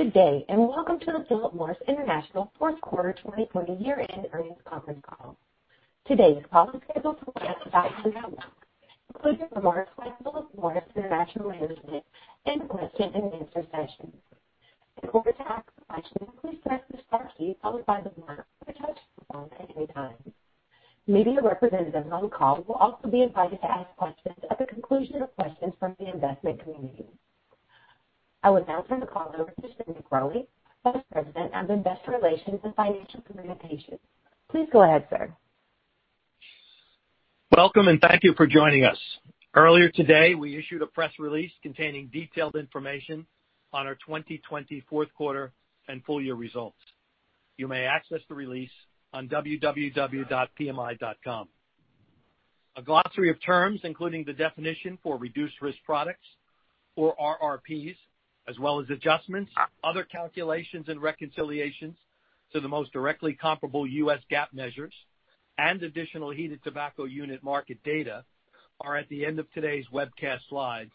Good day, and welcome to the Philip Morris International Fourth Quarter 2020 Year-end Earnings Conference Call. Today's call is scheduled to last about one hour, including remarks by Philip Morris International management and a question-and-answer session. In order to ask a question, please press the star key followed by the number or touch the phone at any time. Media representatives on the call will also be invited to ask questions at the conclusion of questions from the investment community. I would now turn the call over to Nick Rolli, Vice President of Investor Relations and Financial Communications. Please go ahead, sir. Welcome, and thank you for joining us. Earlier today, we issued a press release containing detailed information on our 2020 fourth quarter and full year results. You may access the release on www.pmi.com. A glossary of terms, including the definition for Reduced-Risk Products or RRPs, as well as adjustments, other calculations, and reconciliations to the most directly comparable U.S. GAAP measures and additional heated tobacco unit market data are at the end of today's webcast slides,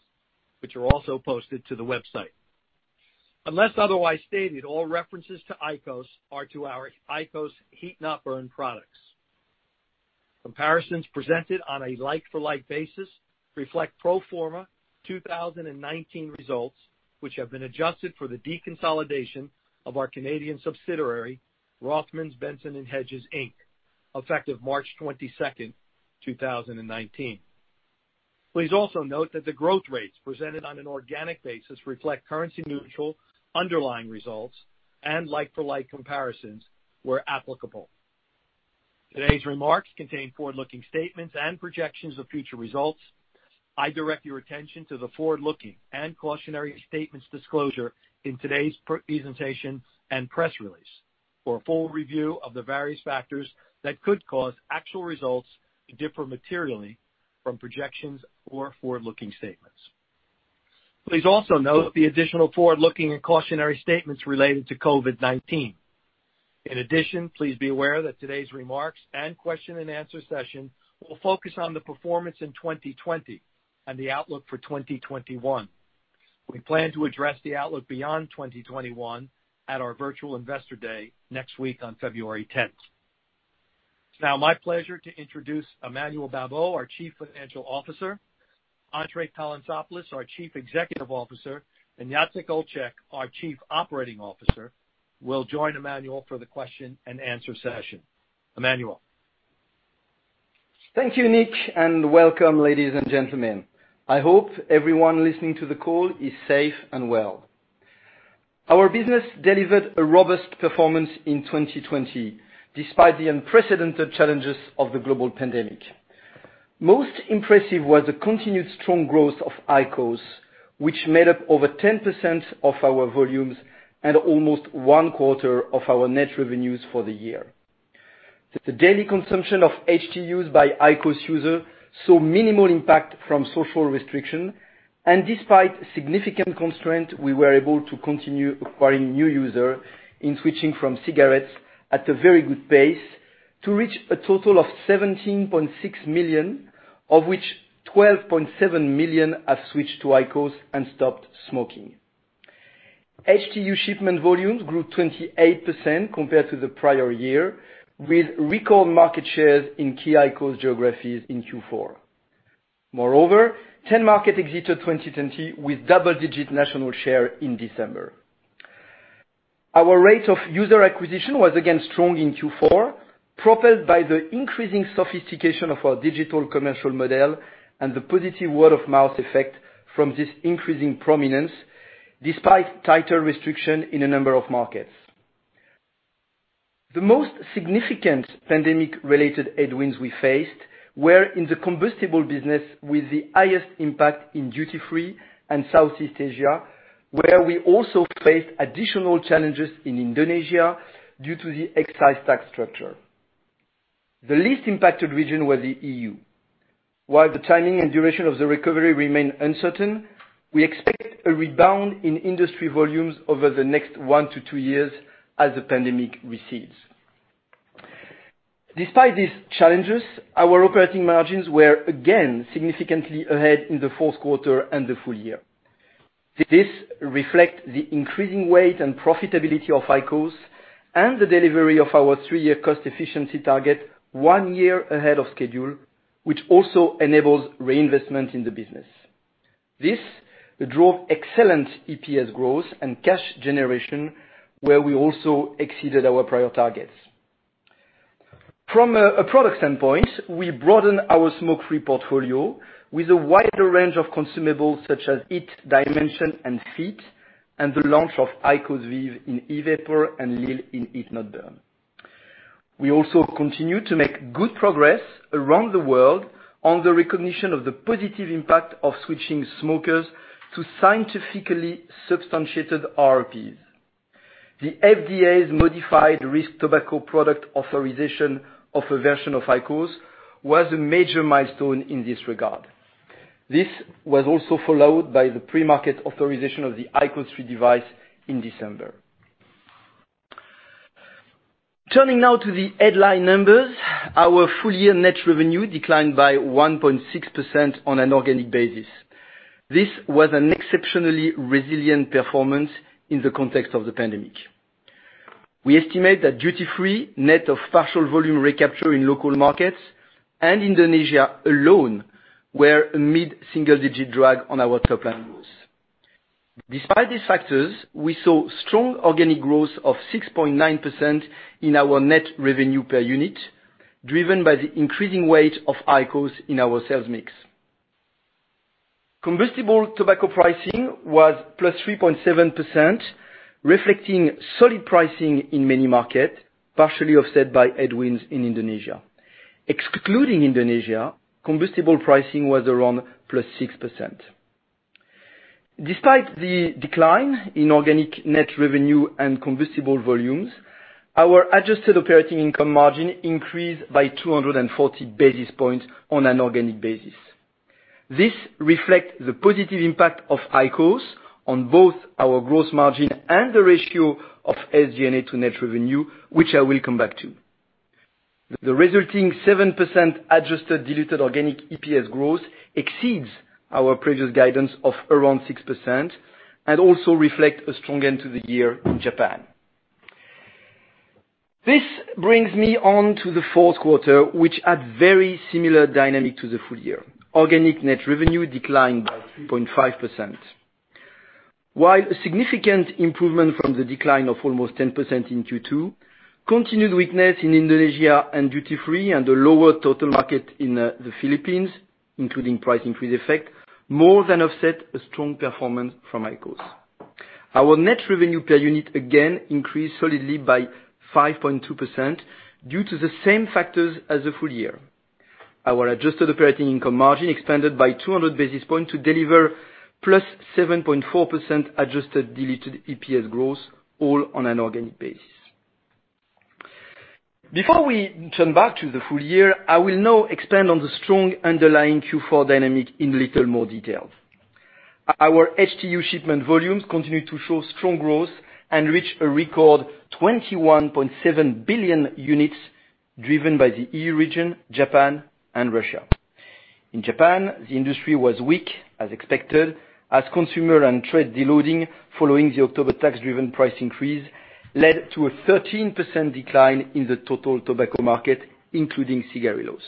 which are also posted to the website. Unless otherwise stated, all references to IQOS are to our IQOS heat not burn products. Comparisons presented on a like-for-like basis reflect pro forma 2019 results, which have been adjusted for the deconsolidation of our Canadian subsidiary, Rothmans, Benson & Hedges Inc., effective March 22nd, 2019. Please also note that the growth rates presented on an organic basis reflect currency neutral underlying results and like-for-like comparisons where applicable. Today's remarks contain forward-looking statements and projections of future results. I direct your attention to the forward-looking and cautionary statements disclosure in today's presentation and press release for a full review of the various factors that could cause actual results to differ materially from projections or forward-looking statements. Please also note the additional forward-looking and cautionary statements related to COVID-19. Please be aware that today's remarks and question and answer session will focus on the performance in 2020 and the outlook for 2021. We plan to address the outlook beyond 2021 at our virtual Investor Day next week on February 10th. It's now my pleasure to introduce Emmanuel Babeau, our Chief Financial Officer, André Calantzopoulos, our Chief Executive Officer, and Jacek Olczak, our Chief Operating Officer, will join Emmanuel for the question-and-answer session. Emmanuel. Thank you, Nick, and welcome, ladies and gentlemen. I hope everyone listening to the call is safe and well. Our business delivered a robust performance in 2020, despite the unprecedented challenges of the global pandemic. Most impressive was the continued strong growth of IQOS, which made up over 10% of our volumes and almost one quarter of our net revenues for the year. The daily consumption of HTUs by IQOS users saw minimal impact from social restriction, and despite significant constraint, we were able to continue acquiring new users in switching from cigarettes at a very good pace to reach a total of 17.6 million, of which 12.7 million have switched to IQOS and stopped smoking. HTU shipment volumes grew 28% compared to the prior year, with record market shares in key IQOS geographies in Q4. Moreover, 10 markets exited 2020 with double-digit national share in December. Our rate of user acquisition was again strong in Q4, propelled by the increasing sophistication of our digital commercial model and the positive word-of-mouth effect from this increasing prominence, despite tighter restriction in a number of markets. The most significant pandemic-related headwinds we faced were in the combustible business with the highest impact in duty-free and Southeast Asia, where we also faced additional challenges in Indonesia due to the excise tax structure. The least impacted region was the EU. While the timing and duration of the recovery remain uncertain, we expect a rebound in industry volumes over the next one to two years as the pandemic recedes. Despite these challenges, our operating margins were again significantly ahead in the fourth quarter and the full year. This reflects the increasing weight and profitability of IQOS and the delivery of our three-year cost efficiency target one year ahead of schedule, which also enables reinvestment in the business. This drove excellent EPS growth and cash generation, where we also exceeded our prior targets. From a product standpoint, we broadened our smoke-free portfolio with a wider range of consumables such as HEETS Dimensions and Fiit, and the launch of IQOS VEEV in e-vapor and lil in heat-not-burn. We also continue to make good progress around the world on the recognition of the positive impact of switching smokers to scientifically substantiated RRPs. The FDA's modified risk tobacco product authorization of a version of IQOS was a major milestone in this regard. This was also followed by the pre-market authorization of the IQOS 3 device in December. Turning now to the headline numbers, our full year net revenue declined by 1.6% on an organic basis. This was an exceptionally resilient performance in the context of the pandemic. We estimate that duty-free, net of partial volume recapture in local markets and Indonesia alone, were a mid-single digit drag on our top line growth. Despite these factors, we saw strong organic growth of 6.9% in our net revenue per unit, driven by the increasing weight of IQOS in our sales mix. combustible tobacco pricing was plus 3.7%, reflecting solid pricing in many markets, partially offset by headwinds in Indonesia. Excluding Indonesia, combustible pricing was around plus 6%. Despite the decline in organic net revenue and combustible volumes, our adjusted operating income margin increased by 240 basis points on an organic basis. This reflects the positive impact of IQOS on both our growth margin and the ratio of SG&A to net revenue, which I will come back to. The resulting 7% adjusted diluted organic EPS growth exceeds our previous guidance of around 6% and also reflect a strong end to the year in Japan. This brings me on to the fourth quarter, which had very similar dynamic to the full year. Organic net revenue declined by 3.5%. While a significant improvement from the decline of almost 10% in Q2, continued weakness in Indonesia and duty-free and the lower total market in the Philippines, including price increase effect, more than offset a strong performance from IQOS. Our net revenue per unit again increased solidly by 5.2% due to the same factors as the full year. Our adjusted operating income margin expanded by 200 basis points to deliver +7.4% adjusted diluted EPS growth, all on an organic basis. Before we turn back to the full year, I will now expand on the strong underlying Q4 dynamic in little more detail. Our HTU shipment volumes continue to show strong growth and reach a record 21.7 billion units driven by the EU region, Japan, and Russia. In Japan, the industry was weak as expected, as consumer and trade de-loading following the October tax-driven price increase led to a 13% decline in the total tobacco market, including cigarillos.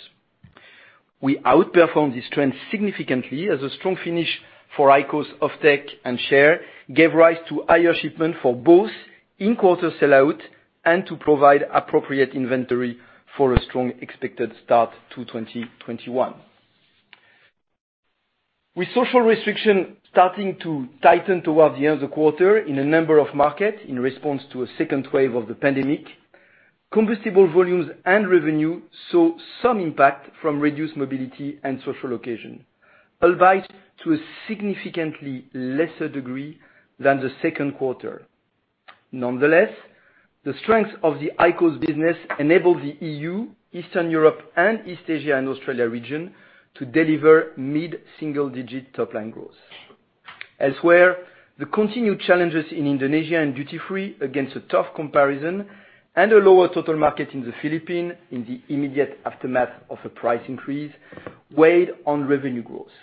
We outperformed this trend significantly as a strong finish for IQOS of take and share gave rise to higher shipment for both in-quarter sell-out and to provide appropriate inventory for a strong expected start to 2021. With social restriction starting to tighten towards the end of the quarter in a number of markets in response to a second wave of the pandemic, combustible volumes and revenue saw some impact from reduced mobility and social occasion, albeit to a significantly lesser degree than the second quarter. Nonetheless, the strength of the IQOS business enabled the EU, Eastern Europe, and East Asia and Australia region to deliver mid-single digit top line growth. Elsewhere, the continued challenges in Indonesia and duty-free against a tough comparison and a lower total market in the Philippines in the immediate aftermath of a price increase weighed on revenue growth.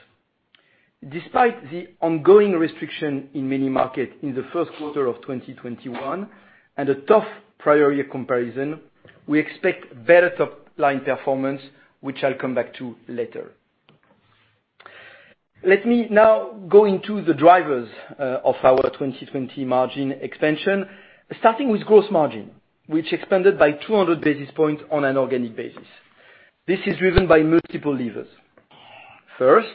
Despite the ongoing restriction in many markets in the first quarter of 2021 and a tough prior year comparison, we expect better top-line performance, which I'll come back to later. Let me now go into the drivers of our 2020 margin expansion, starting with gross margin, which expanded by 200 basis points on an organic basis. This is driven by multiple levers. First,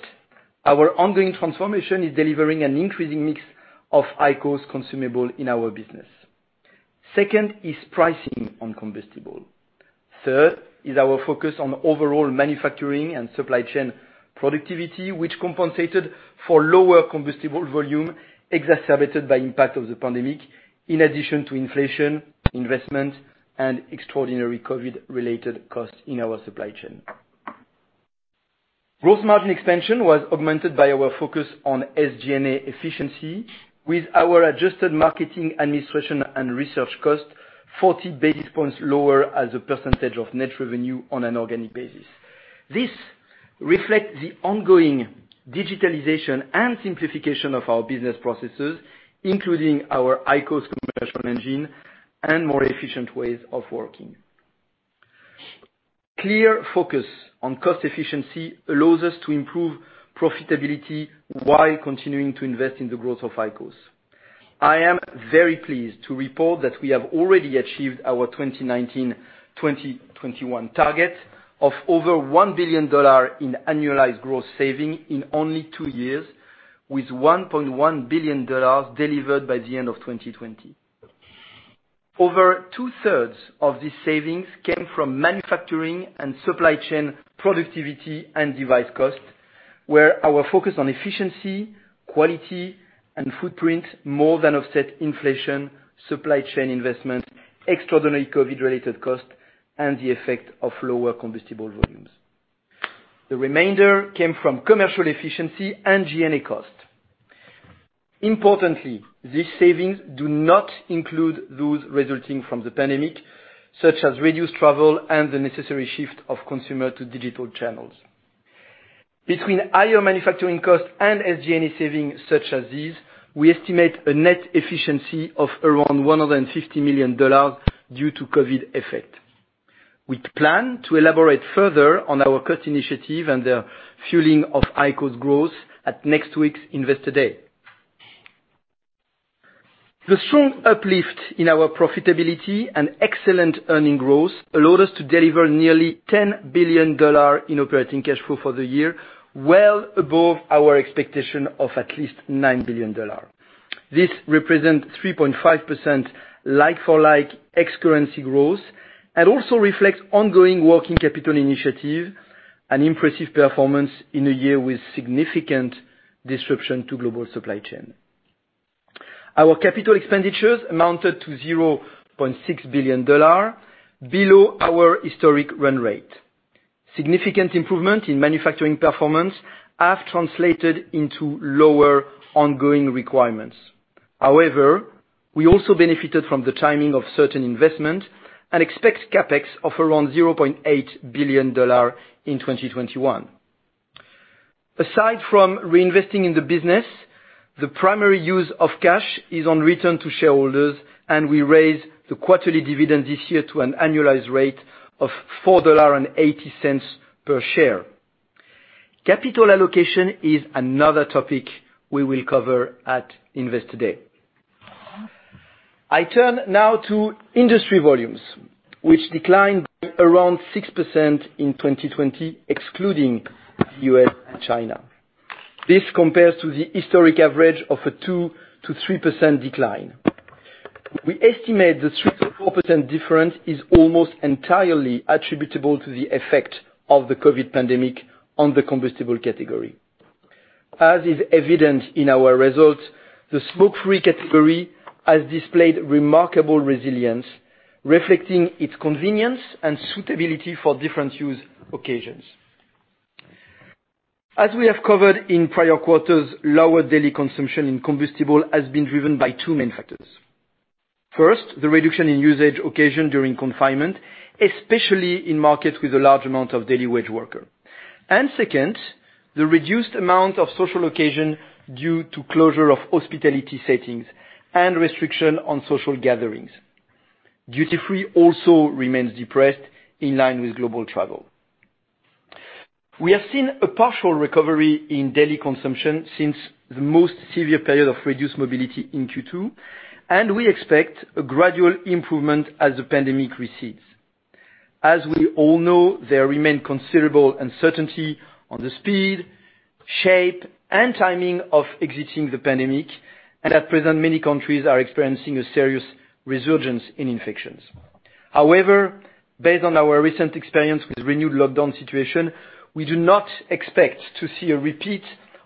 our ongoing transformation is delivering an increasing mix of IQOS consumable in our business. Second is pricing on combustible. Third is our focus on overall manufacturing and supply chain productivity, which compensated for lower combustible volume exacerbated by impact of the pandemic, in addition to inflation, investment, and extraordinary COVID-related costs in our supply chain. Gross margin expansion was augmented by our focus on SG&A efficiency with our adjusted marketing, administration, and research cost 40 basis points lower as a percentage of net revenue on an organic basis. This reflects the ongoing digitalization and simplification of our business processes, including our IQOS commercial engine and more efficient ways of working. Clear focus on cost efficiency allows us to improve profitability while continuing to invest in the growth of IQOS. I am very pleased to report that we have already achieved our 2019-2021 target of over $1 billion in annualized growth saving in only two years, with $1.1 billion delivered by the end of 2020. Over two-thirds of these savings came from manufacturing and supply chain productivity and device costs, where our focus on efficiency, quality, and footprint more than offset inflation, supply chain investment, extraordinary COVID-related costs, and the effect of lower combustible volumes. The remainder came from commercial efficiency and G&A costs. Importantly, these savings do not include those resulting from the pandemic, such as reduced travel and the necessary shift of consumer to digital channels. Between higher manufacturing costs and SG&A savings such as these, we estimate a net efficiency of around $150 million due to COVID effect. We plan to elaborate further on our cost initiative and the fueling of IQOS growth at next week's Investor Day. The strong uplift in our profitability and excellent earning growth allowed us to deliver nearly $10 billion in operating cash flow for the year, well above our expectation of at least $9 billion. This represents 3.5% like-for-like ex-currency growth, and also reflects ongoing working capital initiative and impressive performance in a year with significant disruption to global supply chain. Our capital expenditures amounted to $0.6 billion, below our historic run rate. Significant improvement in manufacturing performance have translated into lower ongoing requirements. However, we also benefited from the timing of certain investment and expect CapEx of around $0.8 billion in 2021. Aside from re-investing in the business, the primary use of cash is on return to shareholders, and we raise the quarterly dividend this year to an annualized rate of $4.80 per share. Capital allocation is another topic we will cover at Investor Day. I turn now to industry volumes, which declined by around 6% in 2020, excluding U.S. and China. This compares to the historic average of a 2%-3% decline. We estimate the 3%-4% difference is almost entirely attributable to the effect of the COVID pandemic on the combustible category. As is evident in our results, the smoke-free category has displayed remarkable resilience, reflecting its convenience and suitability for different use occasions. As we have covered in prior quarters, lower daily consumption in combustible has been driven by two main factors. First, the reduction in usage occasion during confinement, especially in markets with a large amount of daily wage worker. Second, the reduced amount of social occasion due to closure of hospitality settings and restriction on social gatherings. Duty-free also remains depressed in line with global travel. We have seen a partial recovery in daily consumption since the most severe period of reduced mobility in Q2, and we expect a gradual improvement as the pandemic recedes. As we all know, there remain considerable uncertainty on the speed, shape, and timing of exiting the pandemic, and at present, many countries are experiencing a serious resurgence in infections. Based on our recent experience with renewed lockdown situation, we do not expect to see a repeat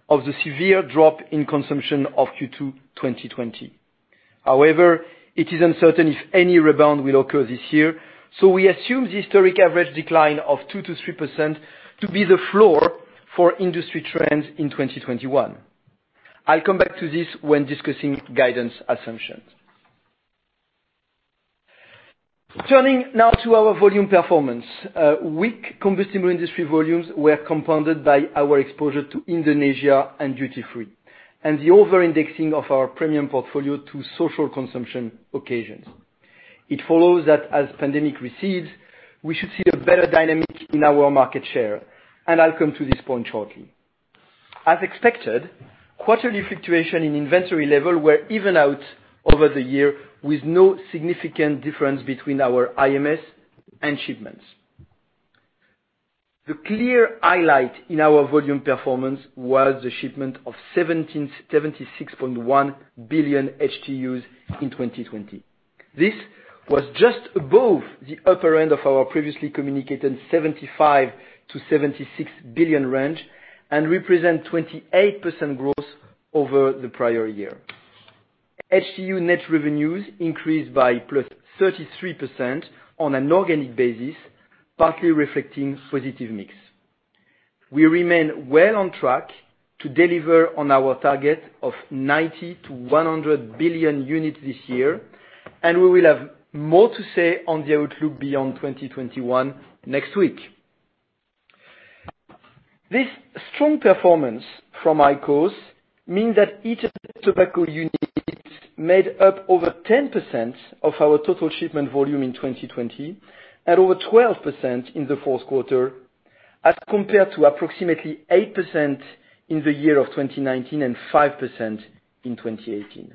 of the severe drop in consumption of Q2 2020. However, it is uncertain if any rebound will occur this year, so we assume the historic average decline of 2%-3% to be the floor for industry trends in 2021. I'll come back to this when discussing guidance assumptions. Turning now to our volume performance. Weak combustible industry volumes were compounded by our exposure to Indonesia and duty-free, and the over-indexing of our premium portfolio to social consumption occasions. It follows that as pandemic recedes, we should see a better dynamic in our market share, and I'll come to this point shortly. As expected, quarterly fluctuation in inventory level were even out over the year, with no significant difference between our IMS and shipments. The clear highlight in our volume performance was the shipment of 76.1 billion HTUs in 2020. This was just above the upper end of our previously communicated $75 billion to $76 billion range and represent 28% growth over the prior year. HTU net revenues increased by plus 33% on an organic basis, partly reflecting positive mix. We remain well on track to deliver on our target of 90 billion-100 billion units this year, we will have more to say on the outlook beyond 2021 next week. This strong performance from IQOS means that heated tobacco units made up over 10% of our total shipment volume in 2020 and over 12% in the fourth quarter, as compared to approximately 8% in the year of 2019 and 5% in 2018.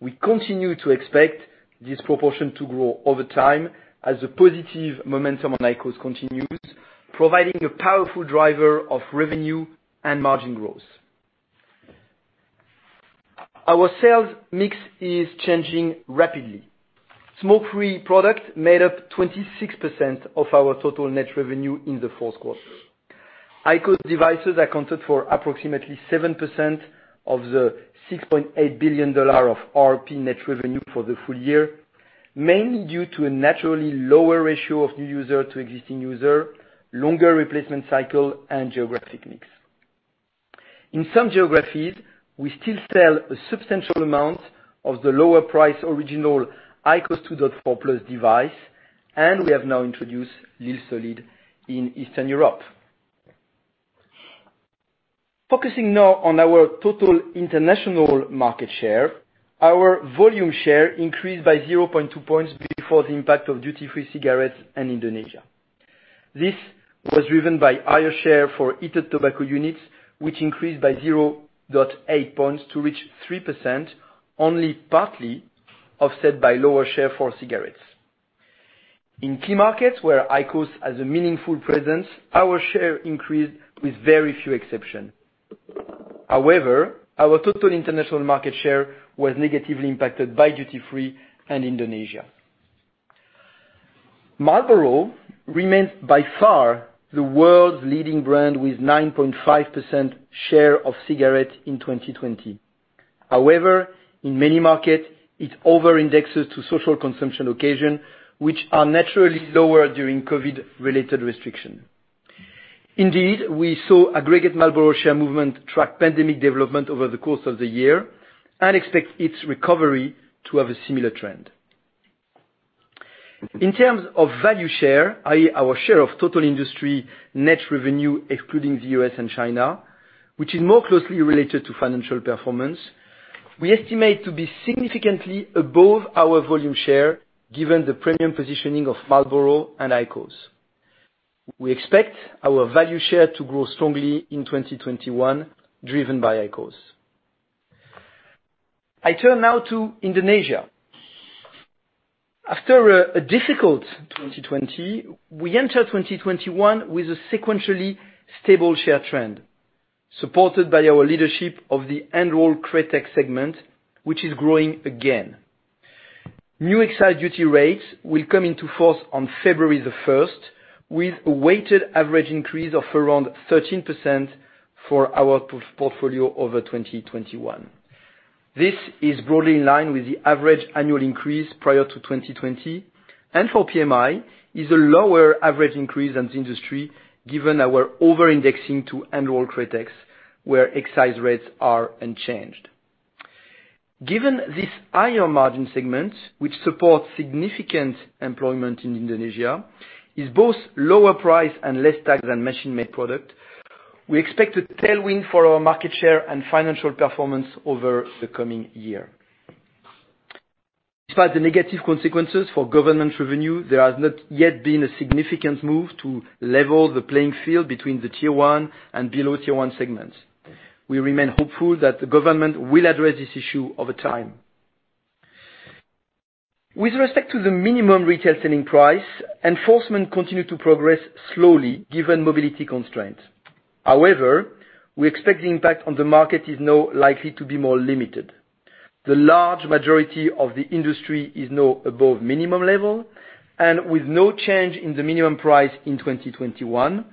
We continue to expect this proportion to grow over time as the positive momentum on IQOS continues, providing a powerful driver of revenue and margin growth. Our sales mix is changing rapidly. Smoke-free product made up 26% of our total net revenue in the fourth quarter. IQOS devices accounted for approximately 7% of the $6.8 billion of RRP net revenue for the full year. Mainly due to a naturally lower ratio of new user to existing user, longer replacement cycle, and geographic mix. In some geographies, we still sell a substantial amount of the lower price original IQOS 2.4+ device, and we have now introduced lil SOLID in Eastern Europe. Focusing now on our total international market share, our volume share increased by 0.2 points before the impact of duty-free cigarettes in Indonesia. This was driven by higher share for heated tobacco units, which increased by 0.8 points to reach 3%, only partly offset by lower share for cigarettes. In key markets where IQOS has a meaningful presence, our share increased with very few exception. However, our total international market share was negatively impacted by duty-free and Indonesia. Marlboro remains, by far, the world's leading brand with 9.5% share of cigarette in 2020. However, in many markets, it overindexes to social consumption occasion, which are naturally lower during COVID-related restriction. Indeed, we saw aggregate Marlboro share movement track pandemic development over the course of the year and expect its recovery to have a similar trend. In terms of value share, i.e. our share of total industry net revenue, excluding the U.S. and China, which is more closely related to financial performance, we estimate to be significantly above our volume share given the premium positioning of Marlboro and IQOS. We expect our value share to grow strongly in 2021, driven by IQOS. I turn now to Indonesia. After a difficult 2020, we enter 2021 with a sequentially stable share trend, supported by our leadership of the hand-rolled kretek segment, which is growing again. New excise duty rates will come into force on February the 1st, with a weighted average increase of around 13% for our portfolio over 2021. This is broadly in line with the average annual increase prior to 2020, and for PMI is a lower average increase than the industry, given our overindexing to hand-rolled kreteks, where excise rates are unchanged. Given this higher margin segment, which supports significant employment in Indonesia, is both lower price and less tax than machine-made product, we expect a tailwind for our market share and financial performance over the coming year. Despite the negative consequences for government revenue, there has not yet been a significant move to level the playing field between the Tier 1 and below Tier 1 segments. We remain hopeful that the government will address this issue over time. With respect to the minimum retail selling price, enforcement continued to progress slowly, given mobility constraints. However, we expect the impact on the market is now likely to be more limited. The large majority of the industry is now above minimum level, and with no change in the minimum price in 2021,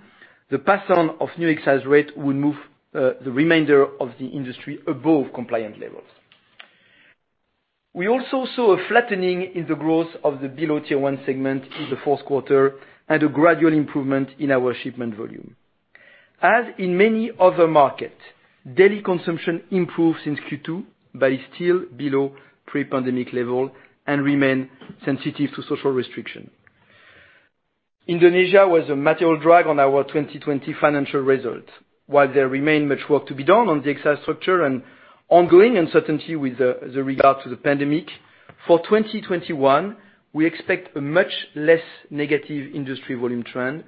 the pass-on of new excise rate will move the remainder of the industry above compliant levels. We also saw a flattening in the growth of the below Tier 1 segment in the fourth quarter and a gradual improvement in our shipment volume. As in many other markets, daily consumption improved since Q2 but is still below pre-pandemic level and remain sensitive to social restriction. Indonesia was a material drag on our 2020 financial results. While there remain much work to be done on the excise structure and ongoing uncertainty with the regard to the pandemic, for 2021, we expect a much less negative industry volume trend,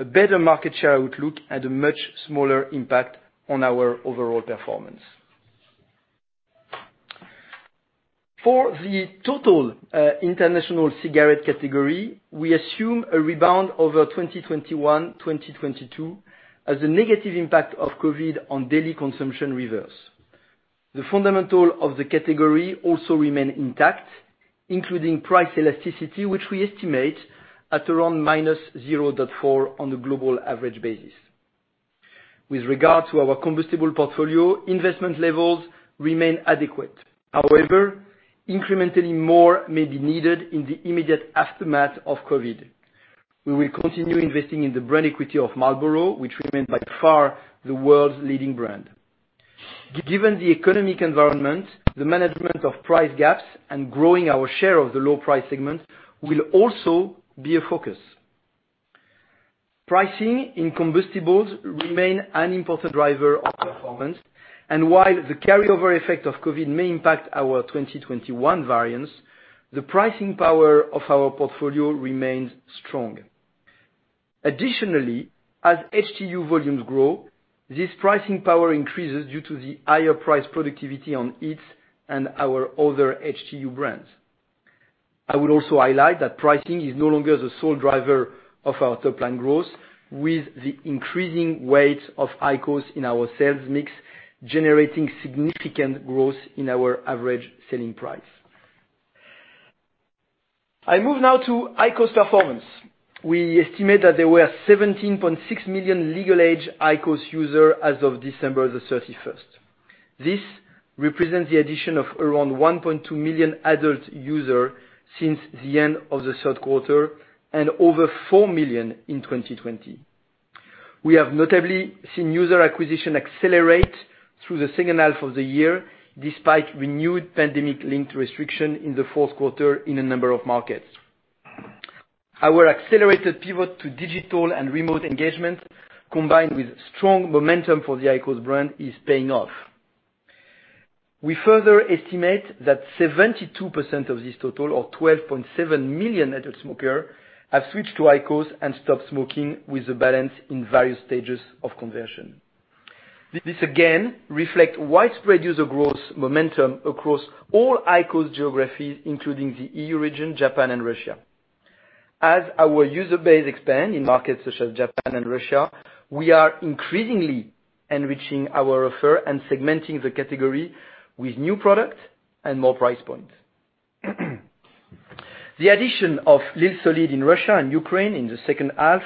a better market share outlook, and a much smaller impact on our overall performance. For the total international cigarette category, we assume a rebound over 2021, 2022, as the negative impact of COVID on daily consumption reverse. The fundamental of the category also remain intact, including price elasticity, which we estimate at around -0.4 on the global average basis. With regard to our combustible portfolio, investment levels remain adequate. However, incrementally more may be needed in the immediate aftermath of COVID. We will continue investing in the brand equity of Marlboro, which remains by far the world's leading brand. Given the economic environment, the management of price gaps and growing our share of the low price segment will also be a focus. Pricing in combustibles remain an important driver of performance, and while the carry-over effect of COVID may impact our 2021 variance, the pricing power of our portfolio remains strong. Additionally, as HTU volumes grow, this pricing power increases due to the higher price productivity on HEETS and our other HTU brands. I would also highlight that pricing is no longer the sole driver of our top-line growth, with the increasing weight of IQOS in our sales mix generating significant growth in our average selling price. I move now to IQOS performance. We estimate that there were 17.6 million legal age IQOS users as of December 31st. This represents the addition of around 1.2 million adult users since the end of the third quarter, and over 4 million in 2020. We have notably seen user acquisition accelerate through the second half of the year, despite renewed pandemic-linked restriction in the fourth quarter in a number of markets. Our accelerated pivot to digital and remote engagement, combined with strong momentum for the IQOS brand, is paying off. We further estimate that 72% of this total, or 12.7 million adult smokers, have switched to IQOS and stopped smoking, with the balance in various stages of conversion. This again, reflect widespread user growth momentum across all IQOS geographies, including the EU region, Japan and Russia. As our user base expand in markets such as Japan and Russia, we are increasingly enriching our offer and segmenting the category with new product and more price points. The addition of lil SOLID in Russia and Ukraine in the second half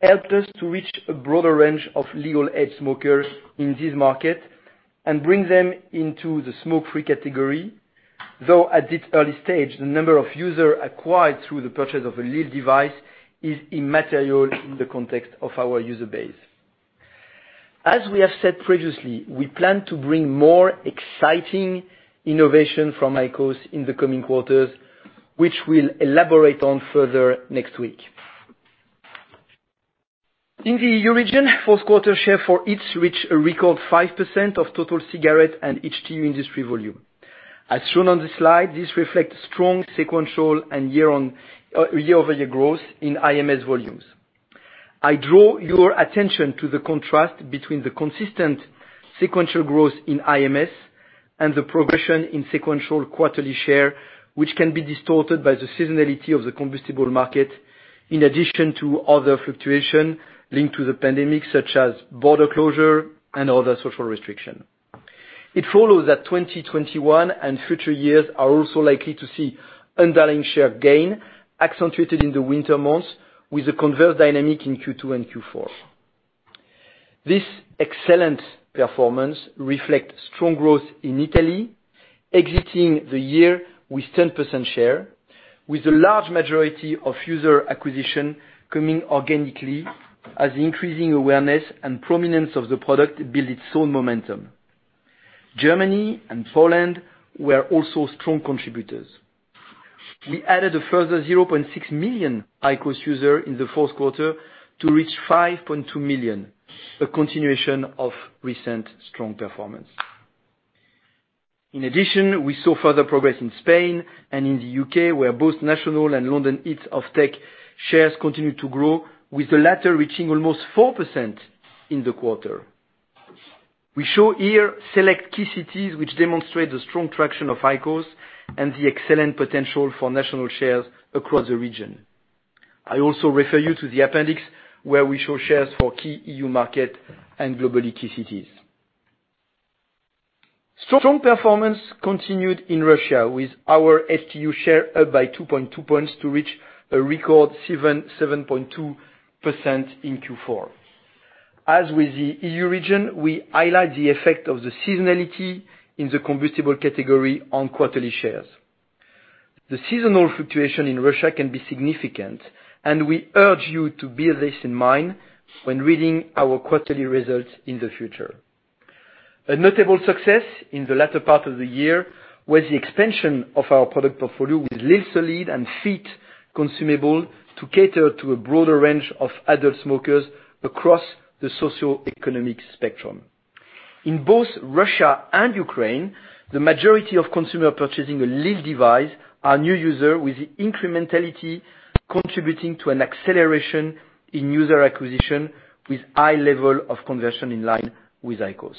helped us to reach a broader range of legal aged smokers in this market and bring them into the smoke-free category. Though at this early stage, the number of user acquired through the purchase of a lil device is immaterial in the context of our user base. As we have said previously, we plan to bring more exciting innovation from IQOS in the coming quarters, which we'll elaborate on further next week. In the EU region, fourth quarter share for HEETS reached a record 5% of total cigarette and HTU industry volume. As shown on the slide, this reflects strong sequential and year-over-year growth in IMS volumes. I draw your attention to the contrast between the consistent sequential growth in IMS and the progression in sequential quarterly share, which can be distorted by the seasonality of the combustible market, in addition to other fluctuation linked to the pandemic, such as border closure and other social restriction. It follows that 2021 and future years are also likely to see underlying share gain accentuated in the winter months with a converse dynamic in Q2 and Q4. This excellent performance reflects strong growth in Italy, exiting the year with 10% share, with the large majority of user acquisition coming organically as the increasing awareness and prominence of the product build its own momentum. Germany and Poland were also strong contributors. We added a further 0.6 million IQOS user in the fourth quarter to reach 5.2 million, a continuation of recent strong performance. In addition, we saw further progress in Spain and in the U.K., where both national and London heated tobacco shares continue to grow, with the latter reaching almost 4% in the quarter. We show here select key cities which demonstrate the strong traction of IQOS and the excellent potential for national shares across the region. I also refer you to the appendix, where we show shares for key EU market and globally key cities. Strong performance continued in Russia, with our HTU share up by 2.2 points to reach a record 7.2% in Q4. As with the EU region, we highlight the effect of the seasonality in the combustible category on quarterly shares. The seasonal fluctuation in Russia can be significant, and we urge you to bear this in mind when reading our quarterly results in the future. A notable success in the latter part of the year was the expansion of our product portfolio with lil SOLID and HEETS consumable to cater to a broader range of adult smokers across the socioeconomic spectrum. In both Russia and Ukraine, the majority of consumers purchasing a lil device are new users, with the incrementality contributing to an acceleration in user acquisition, with high level of conversion in line with IQOS.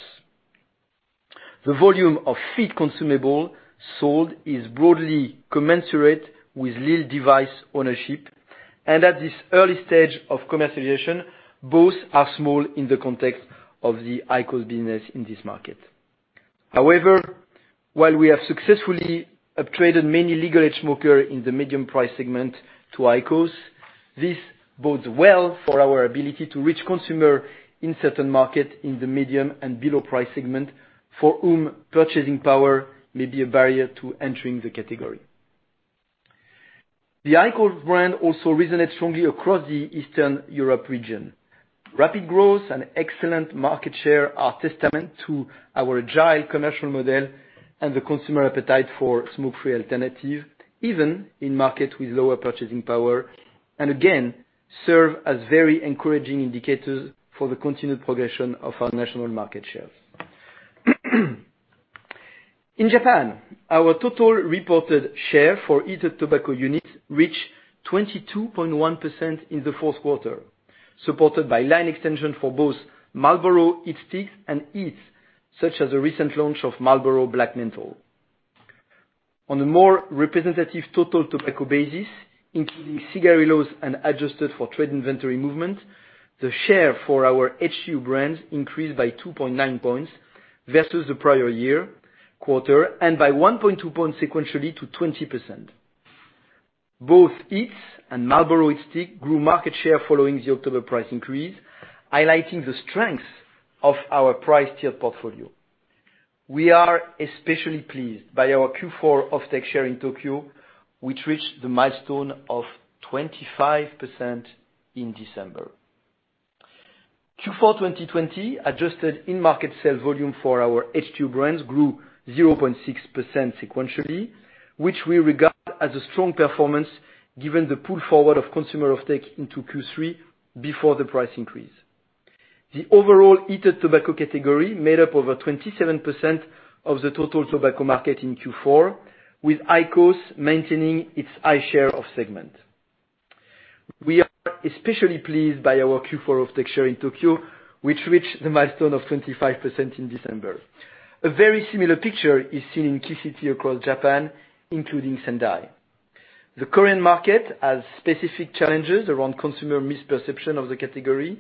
The volume of HEETS consumable sold is broadly commensurate with lil device ownership, and at this early stage of commercialization, both are small in the context of the IQOS business in this market. However, while we have successfully upgraded many legal-aged smoker in the medium price segment to IQOS, this bodes well for our ability to reach consumer in certain market in the medium and below price segment, for whom purchasing power may be a barrier to entering the category. The IQOS brand also resonated strongly across the Eastern Europe region. Rapid growth and excellent market share are testament to our agile commercial model and the consumer appetite for smoke-free alternative, even in market with lower purchasing power, and again, serve as very encouraging indicators for the continued progression of our national market shares. In Japan, our total reported share for heated tobacco units reached 22.1% in the fourth quarter, supported by line extension for both Marlboro HeatSticks and HEETS, such as the recent launch of Marlboro Black Menthol. On a more representative total tobacco basis, including cigarillos and adjusted for trade inventory movement, the share for our HTU brands increased by 2.9 points versus the prior year quarter, and by 1.2 points sequentially to 20%. Both HEETS and Marlboro HeatSticks grew market share following the October price increase, highlighting the strength of our price tier portfolio. We are especially pleased by our Q4 off-take share in Tokyo, which reached the milestone of 25% in December. Q4 2020 adjusted in market sales volume for our HTU brands grew 0.6% sequentially, which we regard as a strong performance given the pull forward of consumer off-take into Q3 before the price increase. The overall heated tobacco category made up over 27% of the total tobacco market in Q4, with IQOS maintaining its high share of segment. We are especially pleased by our Q4 off-take share in Tokyo, which reached the milestone of 25% in December. A very similar picture is seen in key city across Japan, including Sendai. The Korean market has specific challenges around consumer misperception of the category,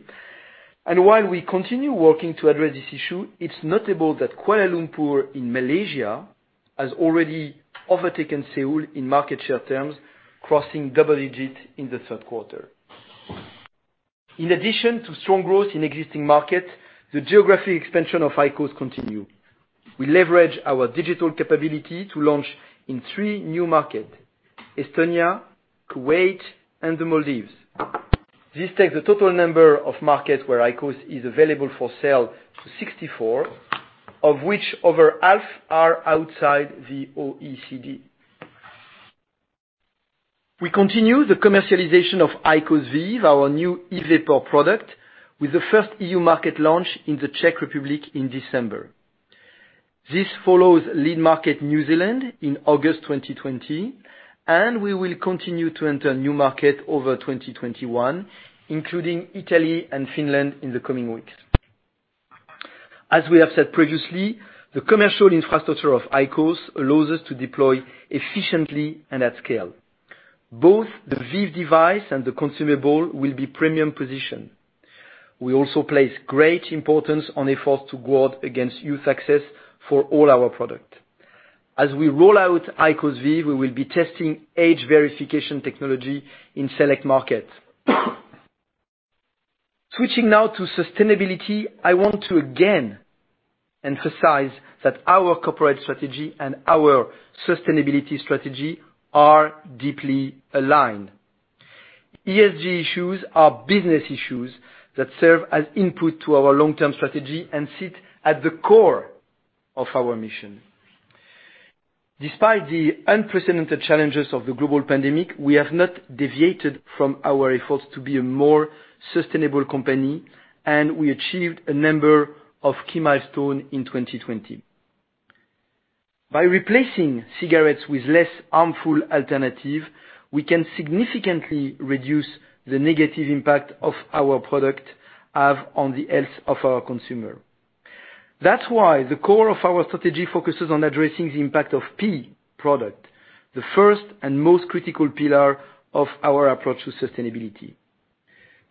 and while we continue working to address this issue, it's notable that Kuala Lumpur in Malaysia has already overtaken Seoul in market share terms, crossing double-digits in the third quarter. In addition to strong growth in existing markets, the geographic expansion of IQOS continue. We leverage our digital capability to launch in three new market, Estonia, Kuwait, and the Maldives. This takes the total number of markets where IQOS is available for sale to 64, of which over half are outside the OECD. We continue the commercialization of IQOS VEEV, our new e-vapor product, with the first EU market launch in the Czech Republic in December. This follows lead market New Zealand in August 2020, and we will continue to enter new market over 2021, including Italy and Finland in the coming weeks. As we have said previously, the commercial infrastructure of IQOS allows us to deploy efficiently and at scale. Both the VEEV device and the consumable will be premium position. We also place great importance on efforts to guard against youth access for all our product. As we roll out IQOS VEEV, we will be testing age verification technology in select markets. Switching now to sustainability, I want to again emphasize that our corporate strategy and our sustainability strategy are deeply aligned. ESG issues are business issues that serve as input to our long-term strategy and sit at the core of our mission. Despite the unprecedented challenges of the global pandemic, we have not deviated from our efforts to be a more sustainable company, and we achieved a number of key milestones in 2020. By replacing cigarettes with less harmful alternatives, we can significantly reduce the negative impact our products have on the health of our consumers. That's why the core of our strategy focuses on addressing the impact of P, product, the first and most critical pillar of our approach to sustainability.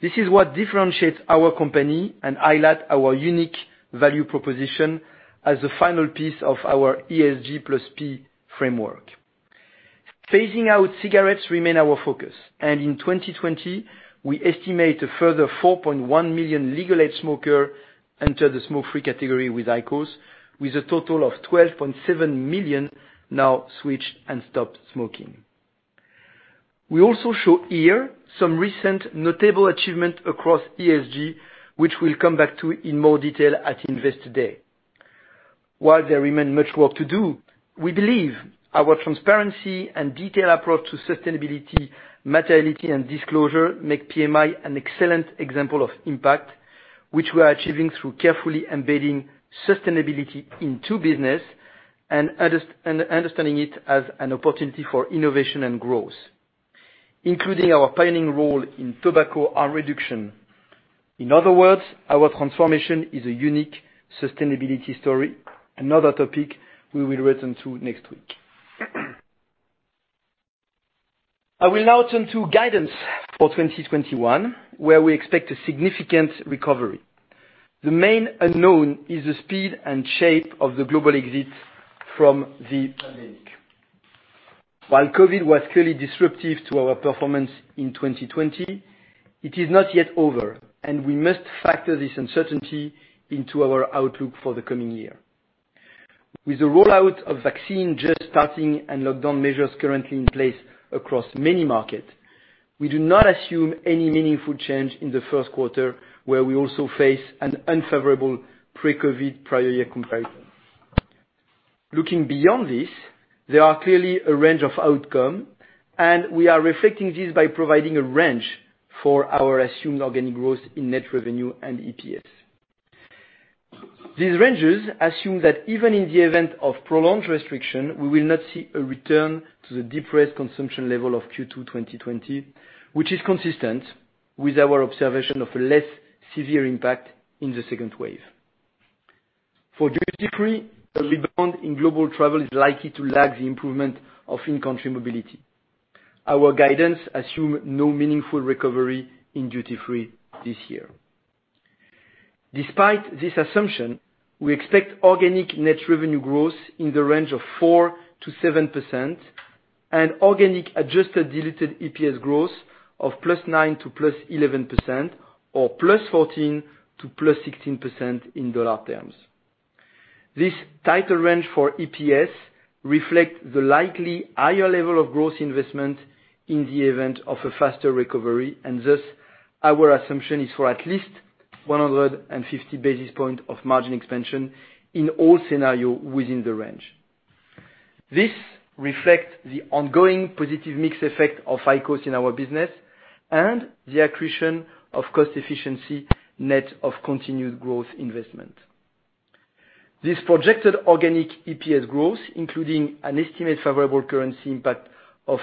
This is what differentiates our company and highlights our unique value proposition as the final piece of our ESG+P framework. Phasing out cigarettes remains our focus. In 2020, we estimate a further 4.1 million legal age smokers entered the smoke-free category with IQOS, with a total of 12.7 million now switched and stopped smoking. We also show here some recent notable achievements across ESG, which we'll come back to in more detail at Investor Day. While there remains much work to do, we believe our transparency and detailed approach to sustainability, materiality, and disclosure make PMI an excellent example of impact, which we are achieving through carefully embedding sustainability into business and understanding it as an opportunity for innovation and growth, including our pioneering role in tobacco harm reduction. In other words, our transformation is a unique sustainability story. Another topic we will return to next week. I will now turn to guidance for 2021, where we expect a significant recovery. The main unknown is the speed and shape of the global exit from the pandemic. While COVID was clearly disruptive to our performance in 2020, it is not yet over, and we must factor this uncertainty into our outlook for the coming year. With the rollout of vaccine just starting and lockdown measures currently in place across many markets, we do not assume any meaningful change in the first quarter, where we also face an unfavorable pre-COVID prior year comparison. Looking beyond this, there are clearly a range of outcomes, and we are reflecting this by providing a range for our assumed organic growth in net revenue and EPS. These ranges assume that even in the event of prolonged restriction, we will not see a return to the depressed consumption level of Q2 2020, which is consistent with our observation of a less severe impact in the second wave. For duty-free, a rebound in global travel is likely to lag the improvement of in-country mobility. Our guidance assume no meaningful recovery in duty free this year. Despite this assumption, we expect organic net revenue growth in the range of 4%-7% and organic adjusted diluted EPS growth of +9% to +11%, or +14% to +16% in dollar terms. This tighter range for EPS reflect the likely higher level of growth investment in the event of a faster recovery, and thus, our assumption is for at least 150 basis point of margin expansion in all scenario within the range. This reflects the ongoing positive mix effect of IQOS in our business and the accretion of cost efficiency net of continued growth investment. This projected organic EPS growth, including an estimated favorable currency impact of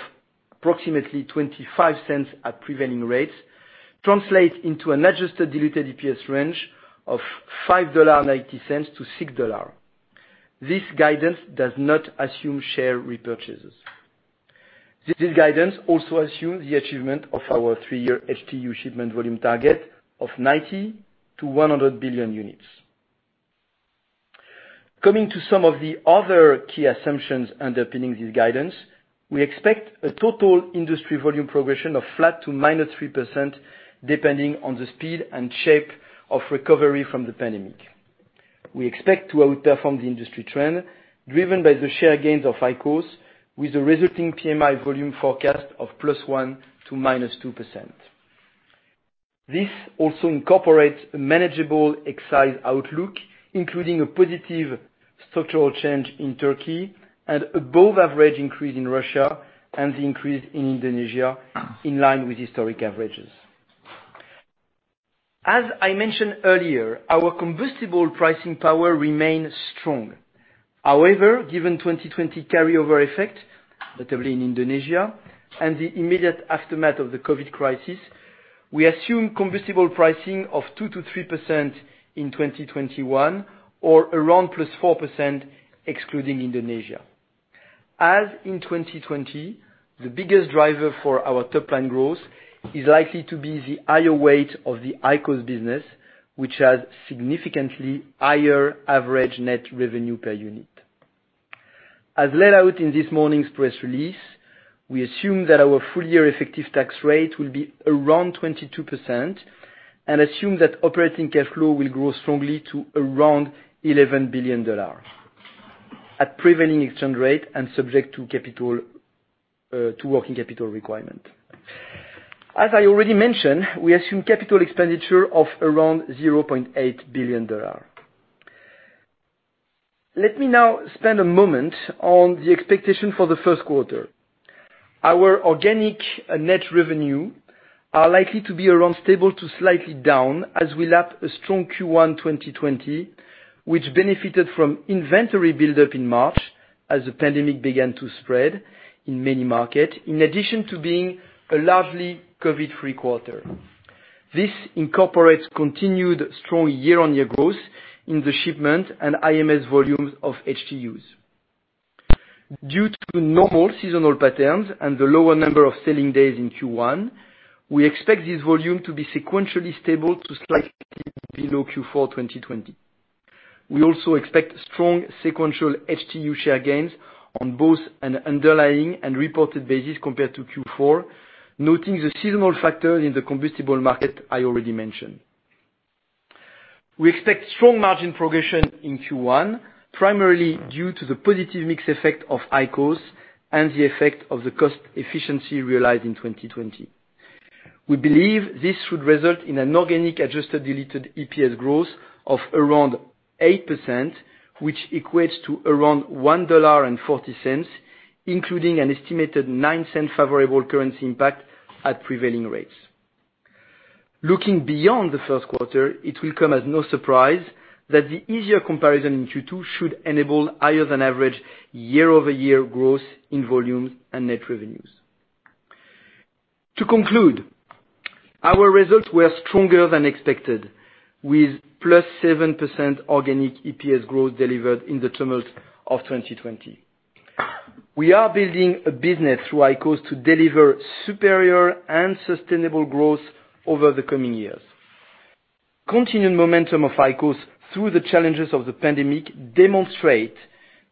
approximately $0.25 at prevailing rates, translates into an adjusted diluted EPS range of $5.90 to $6. This guidance does not assume share repurchases. This guidance also assumes the achievement of our three-year HTU shipment volume target of 90-100 billion units. Coming to some of the other key assumptions underpinning this guidance, we expect a total industry volume progression of flat to -3%, depending on the speed and shape of recovery from the pandemic. We expect to outperform the industry trend, driven by the share gains of IQOS, with a resulting PMI volume forecast of +1% to -2%. This also incorporates a manageable excise outlook, including a positive structural change in Turkey and above average increase in Russia and the increase in Indonesia in line with historic averages. As I mentioned earlier, our combustible pricing power remains strong. However, given 2020 carryover effect, notably in Indonesia, and the immediate aftermath of the COVID crisis, we assume combustible pricing of 2%-3% in 2021, or around +4% excluding Indonesia. As in 2020, the biggest driver for our top line growth is likely to be the higher weight of the IQOS business, which has significantly higher average net revenue per unit. As laid out in this morning's press release, we assume that our full year effective tax rate will be around 22% and assume that operating cash flow will grow strongly to around $11 billion at prevailing exchange rate and subject to working capital requirement. As I already mentioned, we assume capital expenditure of around $0.8 billion. Let me now spend a moment on the expectation for the first quarter. Our organic net revenue are likely to be around stable to slightly down as we lap a strong Q1 2020, which benefited from inventory buildup in March as the pandemic began to spread in many markets, in addition to being a largely COVID-free quarter. This incorporates continued strong year-on-year growth in the shipment and IMS volumes of HTUs. Due to normal seasonal patterns and the lower number of selling days in Q1, we expect this volume to be sequentially stable to slightly below Q4 2020. We also expect strong sequential HTU share gains on both an underlying and reported basis compared to Q4, noting the seasonal factor in the combustible market I already mentioned. We expect strong margin progression in Q1, primarily due to the positive mix effect of IQOS and the effect of the cost efficiency realized in 2020. We believe this should result in an organic adjusted diluted EPS growth of around 8%, which equates to around $1.40, including an estimated $0.09 favorable currency impact at prevailing rates. Looking beyond the first quarter, it will come as no surprise that the easier comparison in Q2 should enable higher than average year-over-year growth in volume and net revenues. To conclude, our results were stronger than expected, with +7% organic EPS growth delivered in the tumult of 2020. We are building a business through IQOS to deliver superior and sustainable growth over the coming years. Continued momentum of IQOS through the challenges of the pandemic demonstrate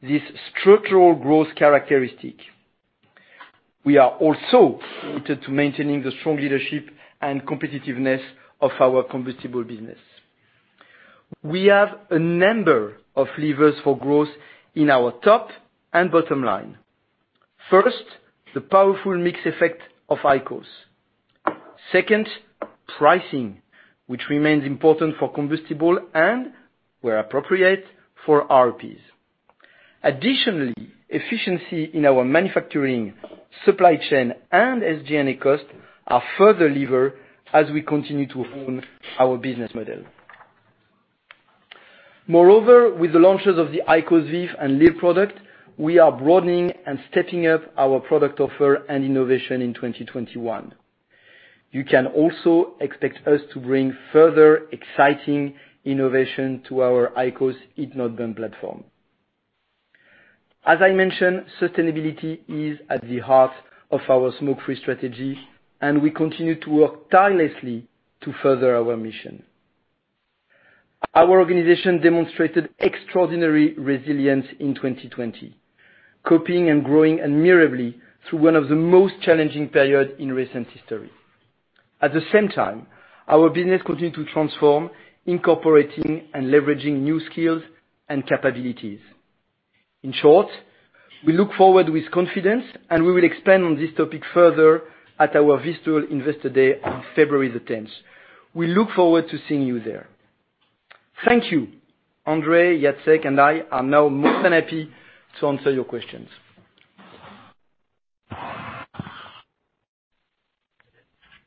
this structural growth characteristic. We are also committed to maintaining the strong leadership and competitiveness of our combustible business. We have a number of levers for growth in our top and bottom line. First, the powerful mix effect of IQOS. Second, pricing, which remains important for combustible and where appropriate for RPs. Additionally, efficiency in our manufacturing, supply chain, and SG&A costs are further lever as we continue to hone our business model. Moreover, with the launches of the IQOS VEEV and lil product, we are broadening and stepping up our product offer and innovation in 2021. You can also expect us to bring further exciting innovation to our IQOS heat-not-burn platform. As I mentioned, sustainability is at the heart of our smoke-free strategy, and we continue to work tirelessly to further our mission. Our organization demonstrated extraordinary resilience in 2020, coping and growing admirably through one of the most challenging periods in recent history. At the same time, our business continued to transform, incorporating and leveraging new skills and capabilities. In short, we look forward with confidence, and we will expand on this topic further at our virtual Investor Day on February the 10th. We look forward to seeing you there. Thank you. André, Jacek, and I are now more than happy to answer your questions.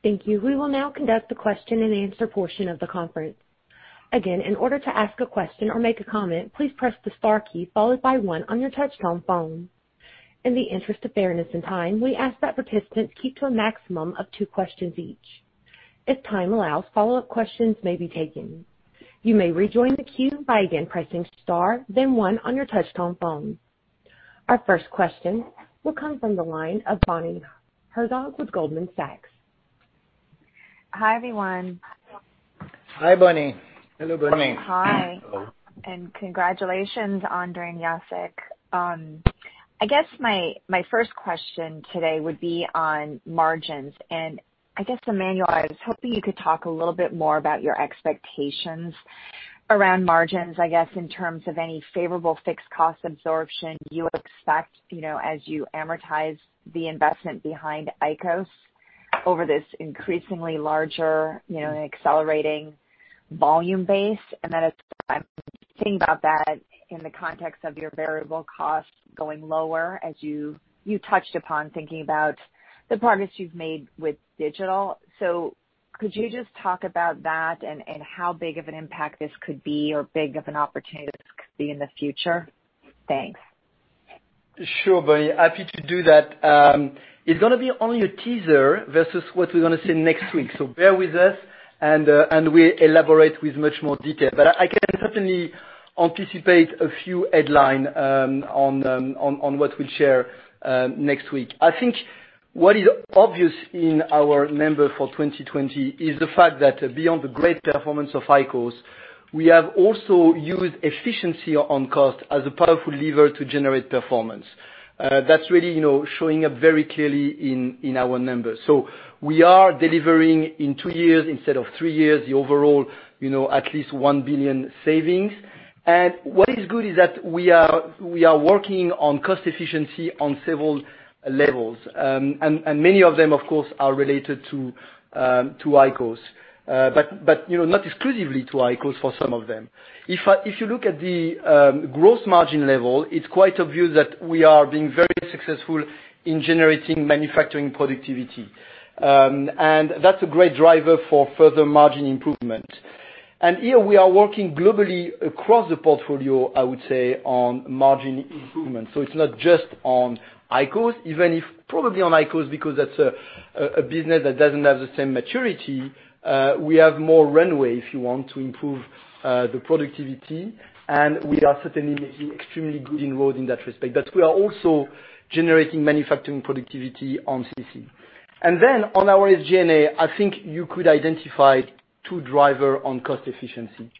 Thank you. We will now conduct the question-and-answer portion of the conference. Again, in order to ask a question or make a comment, please press the star key followed by one on your touchtone phone. In the interest of fairness and time, we ask that participants keep to a maximum of two questions each. If time allows, follow-up questions may be taken. You may rejoin the queue by again pressing star, then one on your touchtone phone. Our first question will come from the line of Bonnie Herzog with Goldman Sachs. Hi, everyone. Hi, Bonnie. Hello, Bonnie. Hi. Hello. Congratulations, André and Jacek. I guess my first question today would be on margins. I guess, Emmanuel, I was hoping you could talk a little bit more about your expectations around margins, I guess, in terms of any favorable fixed cost absorption you expect as you amortize the investment behind IQOS over this increasingly larger and accelerating volume base. Then as I'm thinking about that in the context of your variable costs going lower as you touched upon thinking about the progress you've made with digital. Could you just talk about that and how big of an impact this could be or big of an opportunity this could be in the future? Thanks. Sure, Bonnie. Happy to do that. It's gonna be only a teaser versus what we're gonna say next week, so bear with us, and we elaborate with much more detail. I can certainly anticipate a few headlines on what we'll share next week. I think what is obvious in our numbers for 2020 is the fact that beyond the great performance of IQOS, we have also used efficiency on cost as a powerful lever to generate performance. That's really showing up very clearly in our numbers. We are delivering in two years instead of three years the overall at least $1 billion savings. What is good is that we are working on cost efficiency on several levels. Many of them, of course, are related to IQOS. Not exclusively to IQOS for some of them. If you look at the gross margin level, it's quite obvious that we are being very successful in generating manufacturing productivity. That's a great driver for further margin improvement. Here we are working globally across the portfolio, I would say, on margin improvement. It's not just on IQOS. Even if probably on IQOS because that's a business that doesn't have the same maturity, we have more runway, if you want, to improve the productivity, and we are certainly making extremely good inroads in that respect. We are also generating manufacturing productivity on CC. On our SG&A, I think you could identify two drivers on cost efficiency.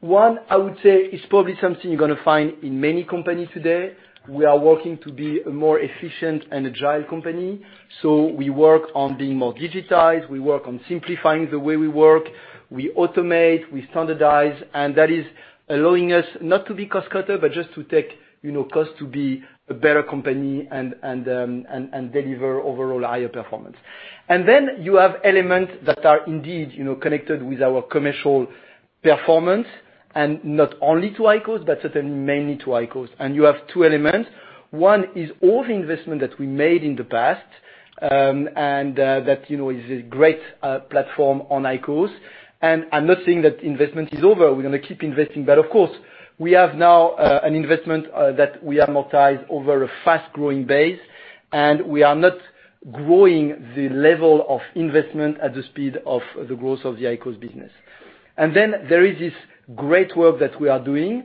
One, I would say, is probably something you're gonna find in many companies today. We are working to be a more efficient and agile company. We work on being more digitized. We work on simplifying the way we work. We automate, we standardize, and that is allowing us not to be a cost-cutter, but just to take cost to be a better company and deliver overall higher performance. You have elements that are indeed connected with our commercial performance, not only to IQOS, but certainly mainly to IQOS. You have two elements. One is all the investment that we made in the past, and that is a great platform on IQOS. I'm not saying that investment is over. We're gonna keep investing. Of course, we have now an investment that we amortize over a fast-growing base, and we are not growing the level of investment at the speed of the growth of the IQOS business. There is this great work that we are doing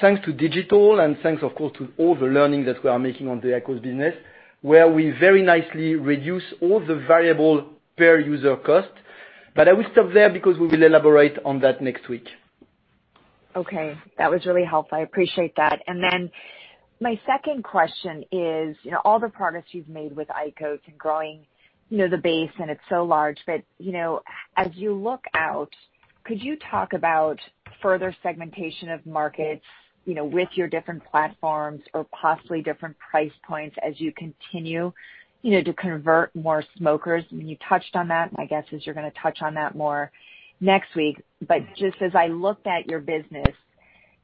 thanks to digital and thanks, of course, to all the learning that we are making on the IQOS business, where we very nicely reduce all the variable per-user cost. I will stop there because we will elaborate on that next week. Okay. That was really helpful. I appreciate that. My second question is, all the progress you've made with IQOS and growing the base, and it's so large, but as you look out, could you talk about further segmentation of markets with your different platforms or possibly different price points as you continue to convert more smokers? I mean, you touched on that. My guess is you're gonna touch on that more next week. Just as I looked at your business,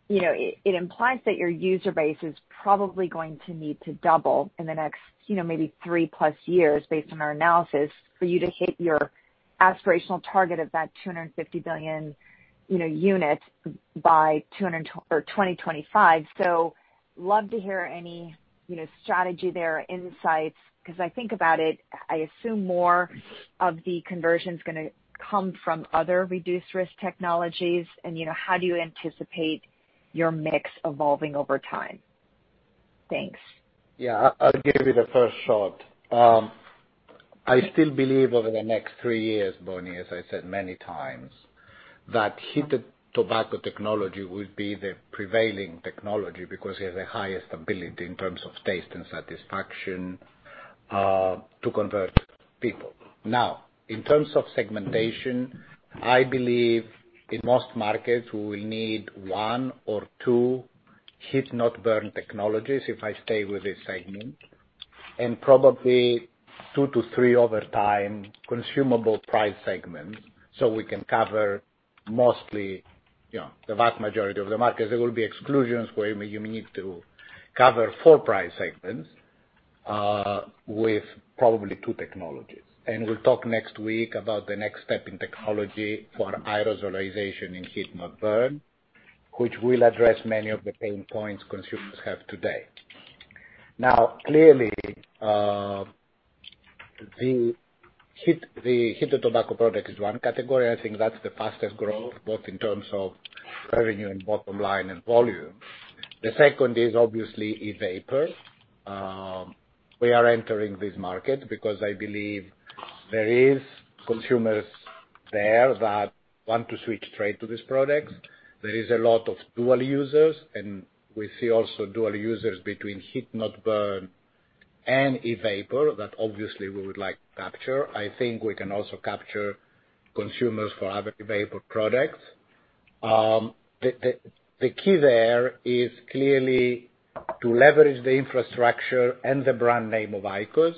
it implies that your user base is probably going to need to double in the next maybe 3+ years based on our analysis for you to hit your aspirational target of that 250 billion units by 2025. Love to hear any strategy there, insights, because I think about it, I assume more of the conversion's come from other reduced-risk technologies, and how do you anticipate your mix evolving over time? Thanks. Yeah, I'll give you the first shot. I still believe over the next three years, Bonnie, as I said many times, that heated tobacco technology will be the prevailing technology because it has the highest ability in terms of taste and satisfaction to convert people. In terms of segmentation, I believe in most markets, we will need one or two heat-not-burn technologies, if I stay with this segment, and probably two to three over time consumable price segments, so we can cover mostly the vast majority of the markets. There will be exclusions where you need to cover four price segments, with probably two technologies. We'll talk next week about the next step in technology for aerosolization in heat-not-burn, which will address many of the pain points consumers have today. Clearly, the heated tobacco product is one category. I think that's the fastest growth, both in terms of revenue and bottom line and volume. The second is obviously e-vapor. We are entering this market because I believe there is consumers there that want to switch straight to these products. There is a lot of dual users, and we see also dual users between heat-not-burn and e-vapor that obviously we would like to capture. I think we can also capture consumers for other vapor products. The key there is clearly to leverage the infrastructure and the brand name of IQOS.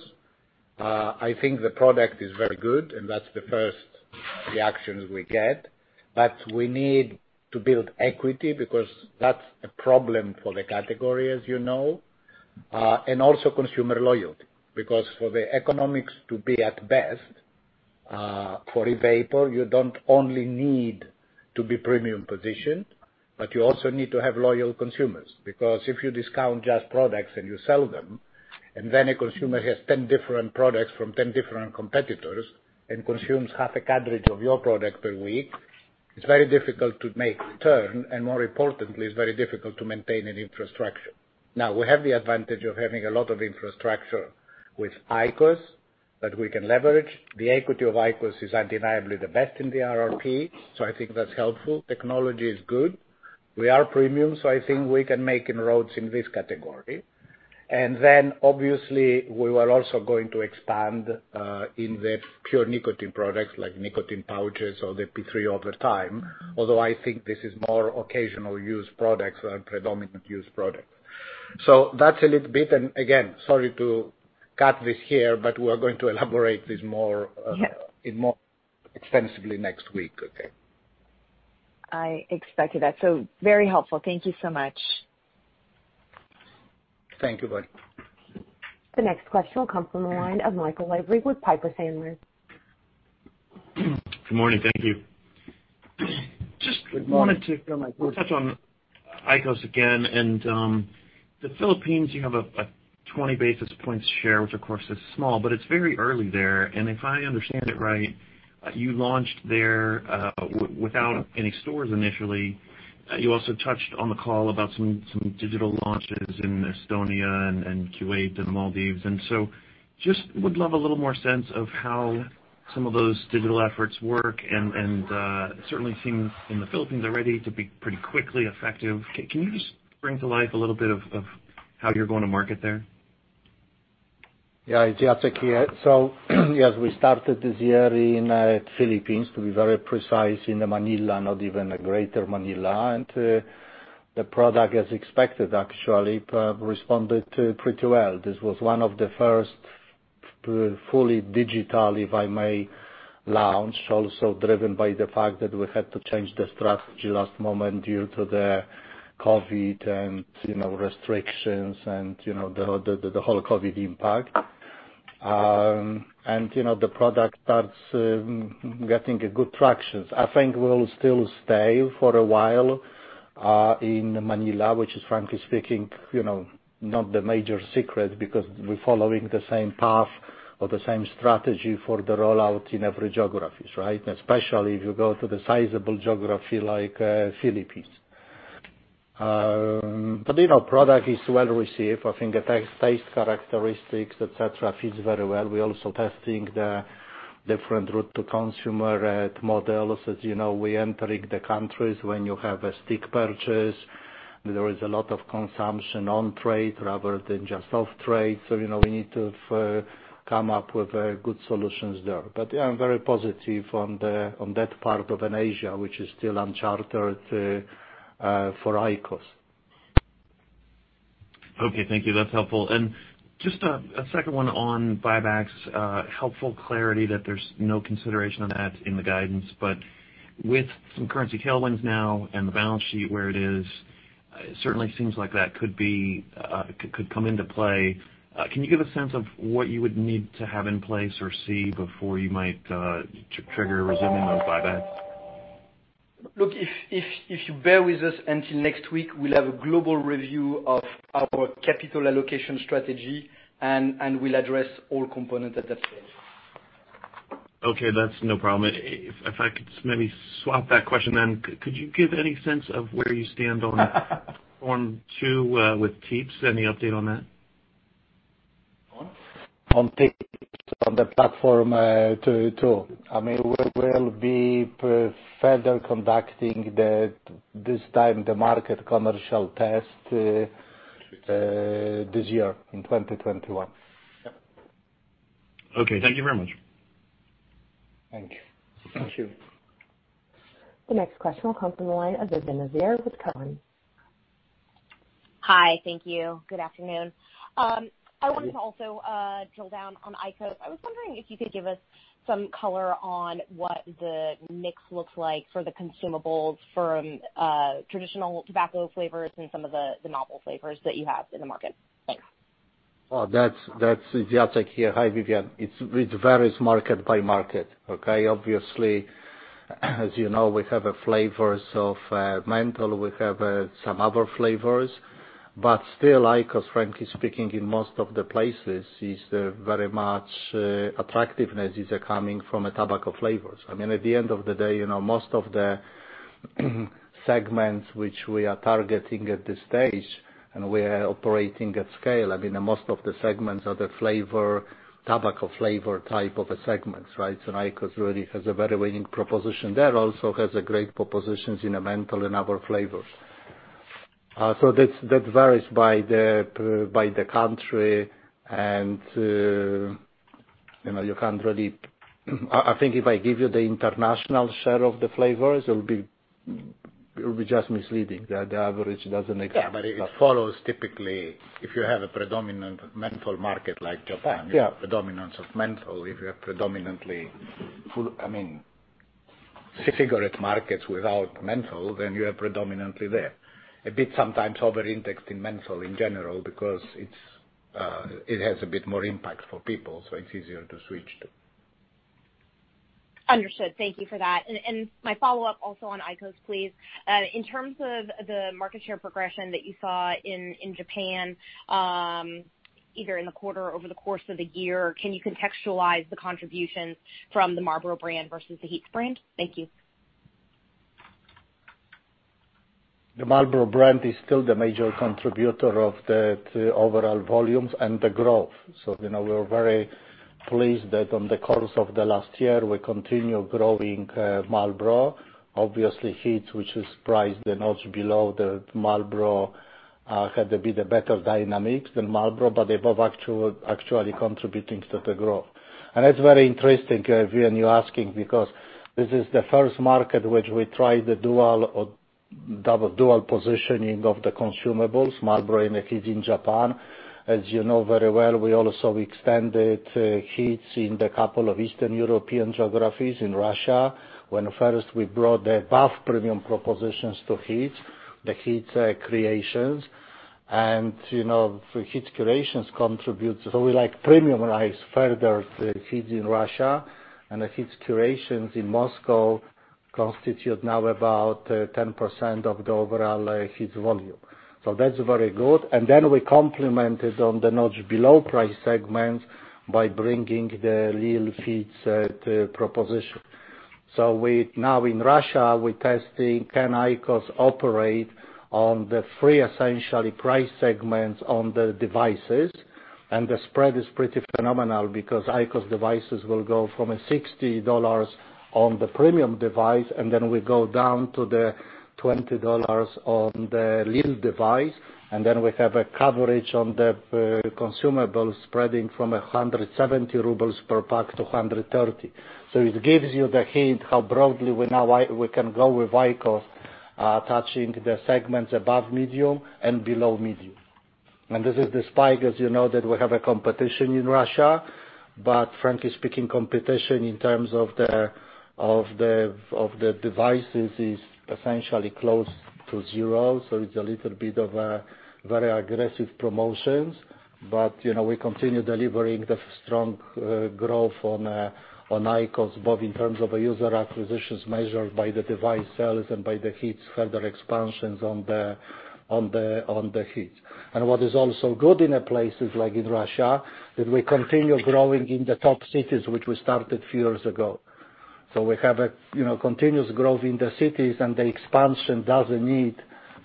I think the product is very good, and that's the first reactions we get. We need to build equity because that's a problem for the category, as you know, and also consumer loyalty. Because for the economics to be at best, for e-vapor, you don't only need to be premium positioned, but you also need to have loyal consumers, because if you discount just products and you sell them, and then a consumer has 10 different products from 10 different competitors and consumes half a cartridge of your product per week, it's very difficult to make return, and more importantly, it's very difficult to maintain an infrastructure. Now, we have the advantage of having a lot of infrastructure with IQOS that we can leverage. The equity of IQOS is undeniably the best in the RRP, so I think that's helpful. Technology is good. We are premium, so I think we can make inroads in this category. Obviously we are also going to expand, in the pure nicotine products like nicotine pouches or the P3 over time, although I think this is more occasional-use products than predominant-use products. That's a little bit, and again, sorry to cut this here, but we are going to elaborate this more. Yeah extensively next week. Okay. I expected that. Very helpful. Thank you so much. Thank you, Bonnie. The next question will come from the line of Michael Lavery with Piper Sandler. Good morning. Thank you. Good morning, Michael. Just wanted to touch on IQOS again. In the Philippines, you have a 20 basis points share, which of course is small, but it's very early there. If I understand it right, you launched there without any stores initially. You also touched on the call about some digital launches in Estonia and Kuwait and the Maldives. Just would love a little more sense of how some of those digital efforts work and certainly things in the Philippines are ready to be pretty quickly effective. Can you just bring to life a little bit of how you're going to market there? Yeah. Jacek here. As we started this year in Philippines, to be very precise, in Manila, not even a Greater Manila, and the product, as expected, actually, responded pretty well. This was one of the first fully digital, if I may, launch, also driven by the fact that we had to change the strategy last moment due to the COVID and restrictions and the whole COVID impact. The product starts getting a good traction. I think we'll still stay for a while, in Manila, which is frankly speaking, not the major secret because we're following the same path or the same strategy for the rollout in every geographies, right? Especially if you go to the sizable geography like Philippines. Product is well received. I think the taste characteristics, et cetera, fits very well. We're also testing the different route to consumer models. As you know, we entering the countries when you have a stick purchase, there is a lot of consumption on-trade rather than just off-trade. We need to come up with good solutions there. I'm very positive on that part of Asia, which is still uncharted for IQOS. Okay, thank you. That's helpful. Just a second one on buybacks. Helpful clarity that there's no consideration on that in the guidance. With some currency tailwinds now and the balance sheet where it is, it certainly seems like that could come into play. Can you give a sense of what you would need to have in place or see before you might trigger resuming those buybacks? Look, if you bear with us until next week, we'll have a global review of our capital allocation strategy, and we'll address all components at that stage. Okay, that's no problem. If I could maybe swap that question, then could you give any sense of where you stand on form two with HEETS? Any update on that? On? On HEETS, on the Platform 2. We will be further conducting, this time, the market commercial test this year in 2021. Okay. Thank you very much. Thank you. Thank you. The next question will come from the line of Vivien Azer with Cowen. Hi. Thank you. Good afternoon. Hi. I wanted to also drill down on IQOS. I was wondering if you could give us some color on what the mix looks like for the consumables from traditional tobacco flavors and some of the novel flavors that you have in the market. Thanks. Oh, that's Jacek here. Hi, Vivien. It varies market by market. Okay? Obviously, as you know, we have flavors of menthol. We have some other flavors, still IQOS, frankly speaking, in most of the places, its attractiveness is coming from tobacco flavors. At the end of the day, most of the segments which we are targeting at this stage and we are operating at scale, most of the segments are the tobacco flavor type of segments, right? IQOS really has a very winning proposition there. Also has a great propositions in menthol and other flavors. That varies by the country, and you can't really I think if I give you the international share of the flavors, it will be just misleading. The average doesn't exist. Yeah, it follows typically, if you have a predominant menthol market like Japan. Yeah You have predominance of menthol. If you have predominantly cigarette markets without menthol, then you are predominantly there. A bit sometimes over indexed in menthol in general because it has a bit more impact for people, so it's easier to switch to. Understood. Thank you for that. My follow-up also on IQOS, please. In terms of the market share progression that you saw in Japan, either in the quarter over the course of the year, can you contextualize the contributions from the Marlboro brand versus the HEETS brand? Thank you. The Marlboro brand is still the major contributor of the overall volumes and the growth. We are very pleased that on the course of the last year, we continue growing Marlboro. Obviously, HEETS, which is priced a notch below the Marlboro, had a bit better dynamics than Marlboro, but above actually contributing to the growth. That's very interesting, Vivien, you asking, because this is the first market which we tried the dual positioning of the consumables, Marlboro and HEETS in Japan. You know very well, we also extended HEETS in the couple of Eastern European geographies in Russia, when first we brought the above premium propositions to HEETS, the HEETS Creations. HEETS Creations contributes, so we premiumized further HEETS in Russia, and the HEETS Creations in Moscow constitute now about 10% of the overall HEETS volume. That's very good. We complemented on the notch below price segments by bringing the lil Fiit proposition. Now in Russia, we're testing can IQOS operate on the three essentially price segments on the devices, and the spread is pretty phenomenal because IQOS devices will go from $60 on the premium device, and then we go down to the $20 on the lil device, and then we have a coverage on the consumables spreading from 170 rubles per pack to 130. It gives you the hint how broadly we can go with IQOS, touching the segments above medium and below medium. This is the spike, as you know that we have a competition in Russia, but frankly speaking, competition in terms of the devices is essentially close to zero. It's a little bit of a very aggressive promotions. We continue delivering the strong growth on IQOS, both in terms of user acquisitions measured by the device sales and by the HEETS further expansions on the HEETS. What is also good in places like in Russia, that we continue growing in the top cities which we started few years ago. We have a continuous growth in the cities and the expansion doesn't need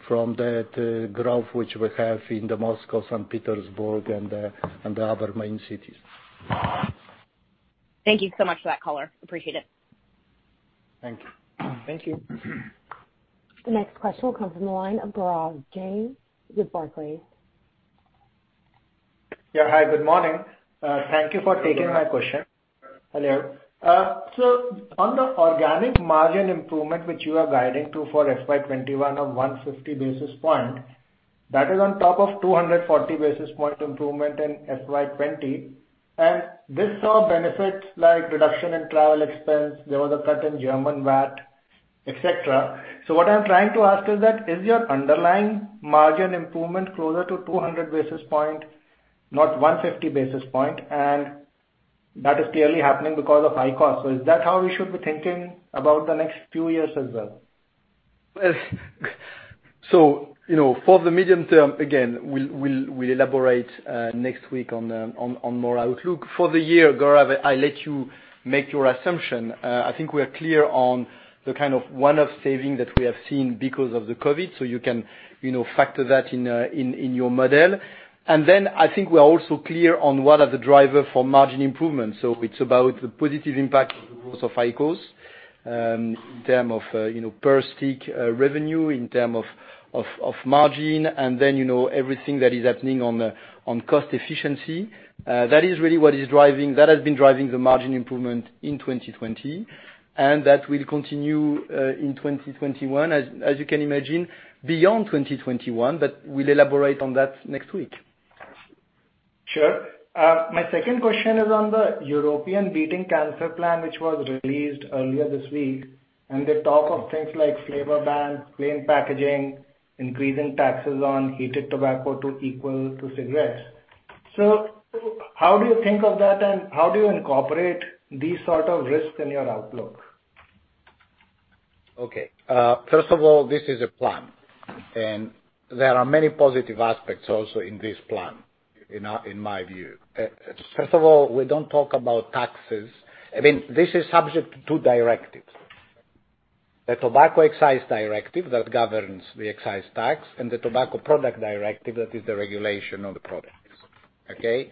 from the growth which we have in the Moscow, St. Petersburg and the other main cities. Thank you so much for that color. Appreciate it. Thank you. Thank you. The next question will come from the line of Gaurav Jain with Barclays. Yeah. Hi, good morning. Thank you for taking my question. Good morning. Hello. On the organic margin improvement, which you are guiding to for FY 2021 of 150 basis point, that is on top of 240 basis point improvement in FY 2020, and this saw benefits like reduction in travel expense. There was a cut in German VAT, et cetera. What I'm trying to ask is that, is your underlying margin improvement closer to 200 basis point, not 150 basis point? That is clearly happening because of IQOS. Is that how we should be thinking about the next two years as well? For the medium-term, again, we'll elaborate next week on more outlook. For the year, Gaurav, I let you make your assumption. I think we are clear on the kind of one-off saving that we have seen because of the COVID, so you can factor that in your model. I think we are also clear on what are the driver for margin improvements. It's about the positive impact of the growth of IQOS, in term of per stick revenue, in term of margin, and then everything that is happening on cost efficiency. That is really what has been driving the margin improvement in 2020, and that will continue in 2021, as you can imagine, beyond 2021, but we'll elaborate on that next week. Sure. My second question is on the Europe's Beating Cancer Plan, which was released earlier this week. They talk of things like flavor bans, plain packaging, increasing taxes on heated tobacco to equal to cigarettes. How do you think of that, and how do you incorporate these sort of risks in your outlook? Okay. First of all, this is a plan, and there are many positive aspects also in this plan, in my view. First of all, we don't talk about taxes. This is subject to two directives. The Tobacco Taxation Directive that governs the excise tax, and the Tobacco Products Directive that is the regulation of the products. Okay?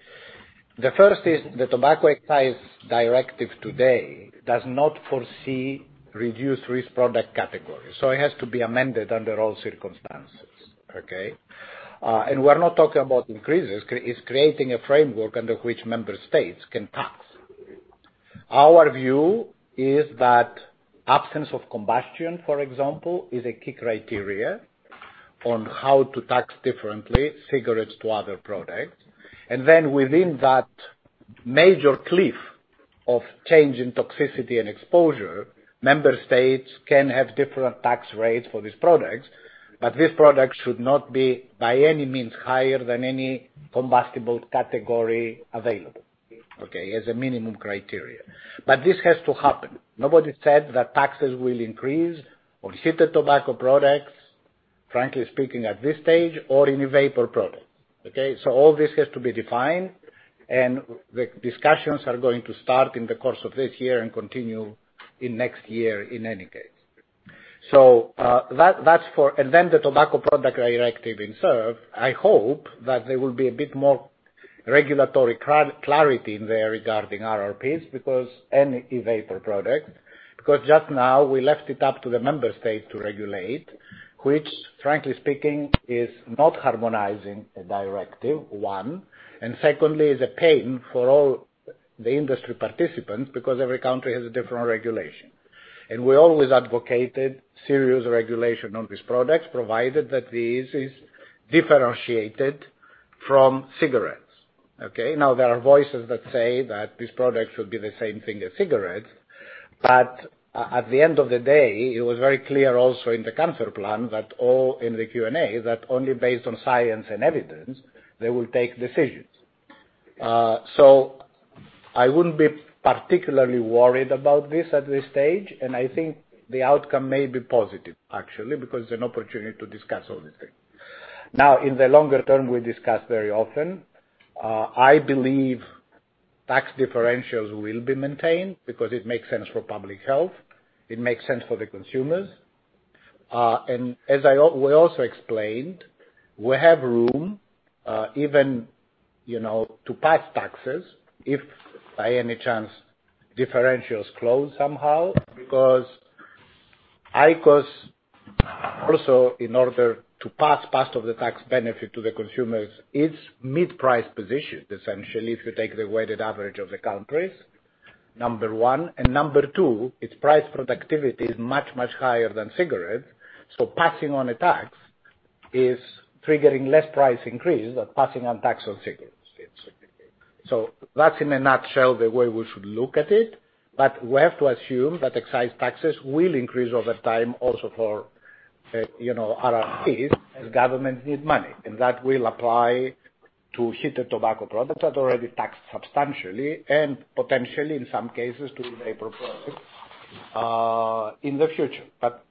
The first is, the Tobacco Taxation Directive today does not foresee Reduced-Risk Product categories. It has to be amended under all circumstances. Okay? We're not talking about increases. It's creating a framework under which member states can tax. Our view is that absence of combustion, for example, is a key criteria on how to tax differently cigarettes to other products. Within that major cliff of change in toxicity and exposure, member states can have different tax rates for these products. This product should not be, by any means, higher than any combustible category available. Okay? As a minimum criteria. This has to happen. Nobody said that taxes will increase on heated tobacco products, frankly speaking, at this stage or in an e-vapor product. Okay? All this has to be defined, and the discussions are going to start in the course of this year and continue in next year, in any case. The Tobacco Products Directive in serve, I hope that there will be a bit more regulatory clarity in there regarding RRPs and e-vapor product, because just now, we left it up to the member state to regulate, which frankly speaking, is not harmonizing a directive, one, and secondly, is a pain for all the industry participants, because every country has a different regulation. We always advocated serious regulation on these products, provided that this is differentiated from cigarettes. Okay. There are voices that say that this product should be the same thing as cigarettes. At the end of the day, it was very clear also in the Cancer Plan, in the Q&A, that only based on science and evidence, they will take decisions. I wouldn't be particularly worried about this at this stage, and I think the outcome may be positive actually, because it's an opportunity to discuss all these things. In the longer-term, we discuss very often. I believe tax differentials will be maintained because it makes sense for public health, it makes sense for the consumers. As we also explained, we have room, even to pass taxes if by any chance differentials close somehow, because IQOS also, in order to pass part of the tax benefit to the consumers, it's mid-price positioned, essentially, if you take the weighted average of the countries, number one, and number two, its price productivity is much, much higher than cigarettes, so passing on a tax is triggering less price increase than passing on tax on cigarettes. That's in a nutshell the way we should look at it, but we have to assume that excise taxes will increase over time also for RRPs, as governments need money, and that will apply to heated tobacco products that are already taxed substantially, and potentially, in some cases, to vapor products in the future.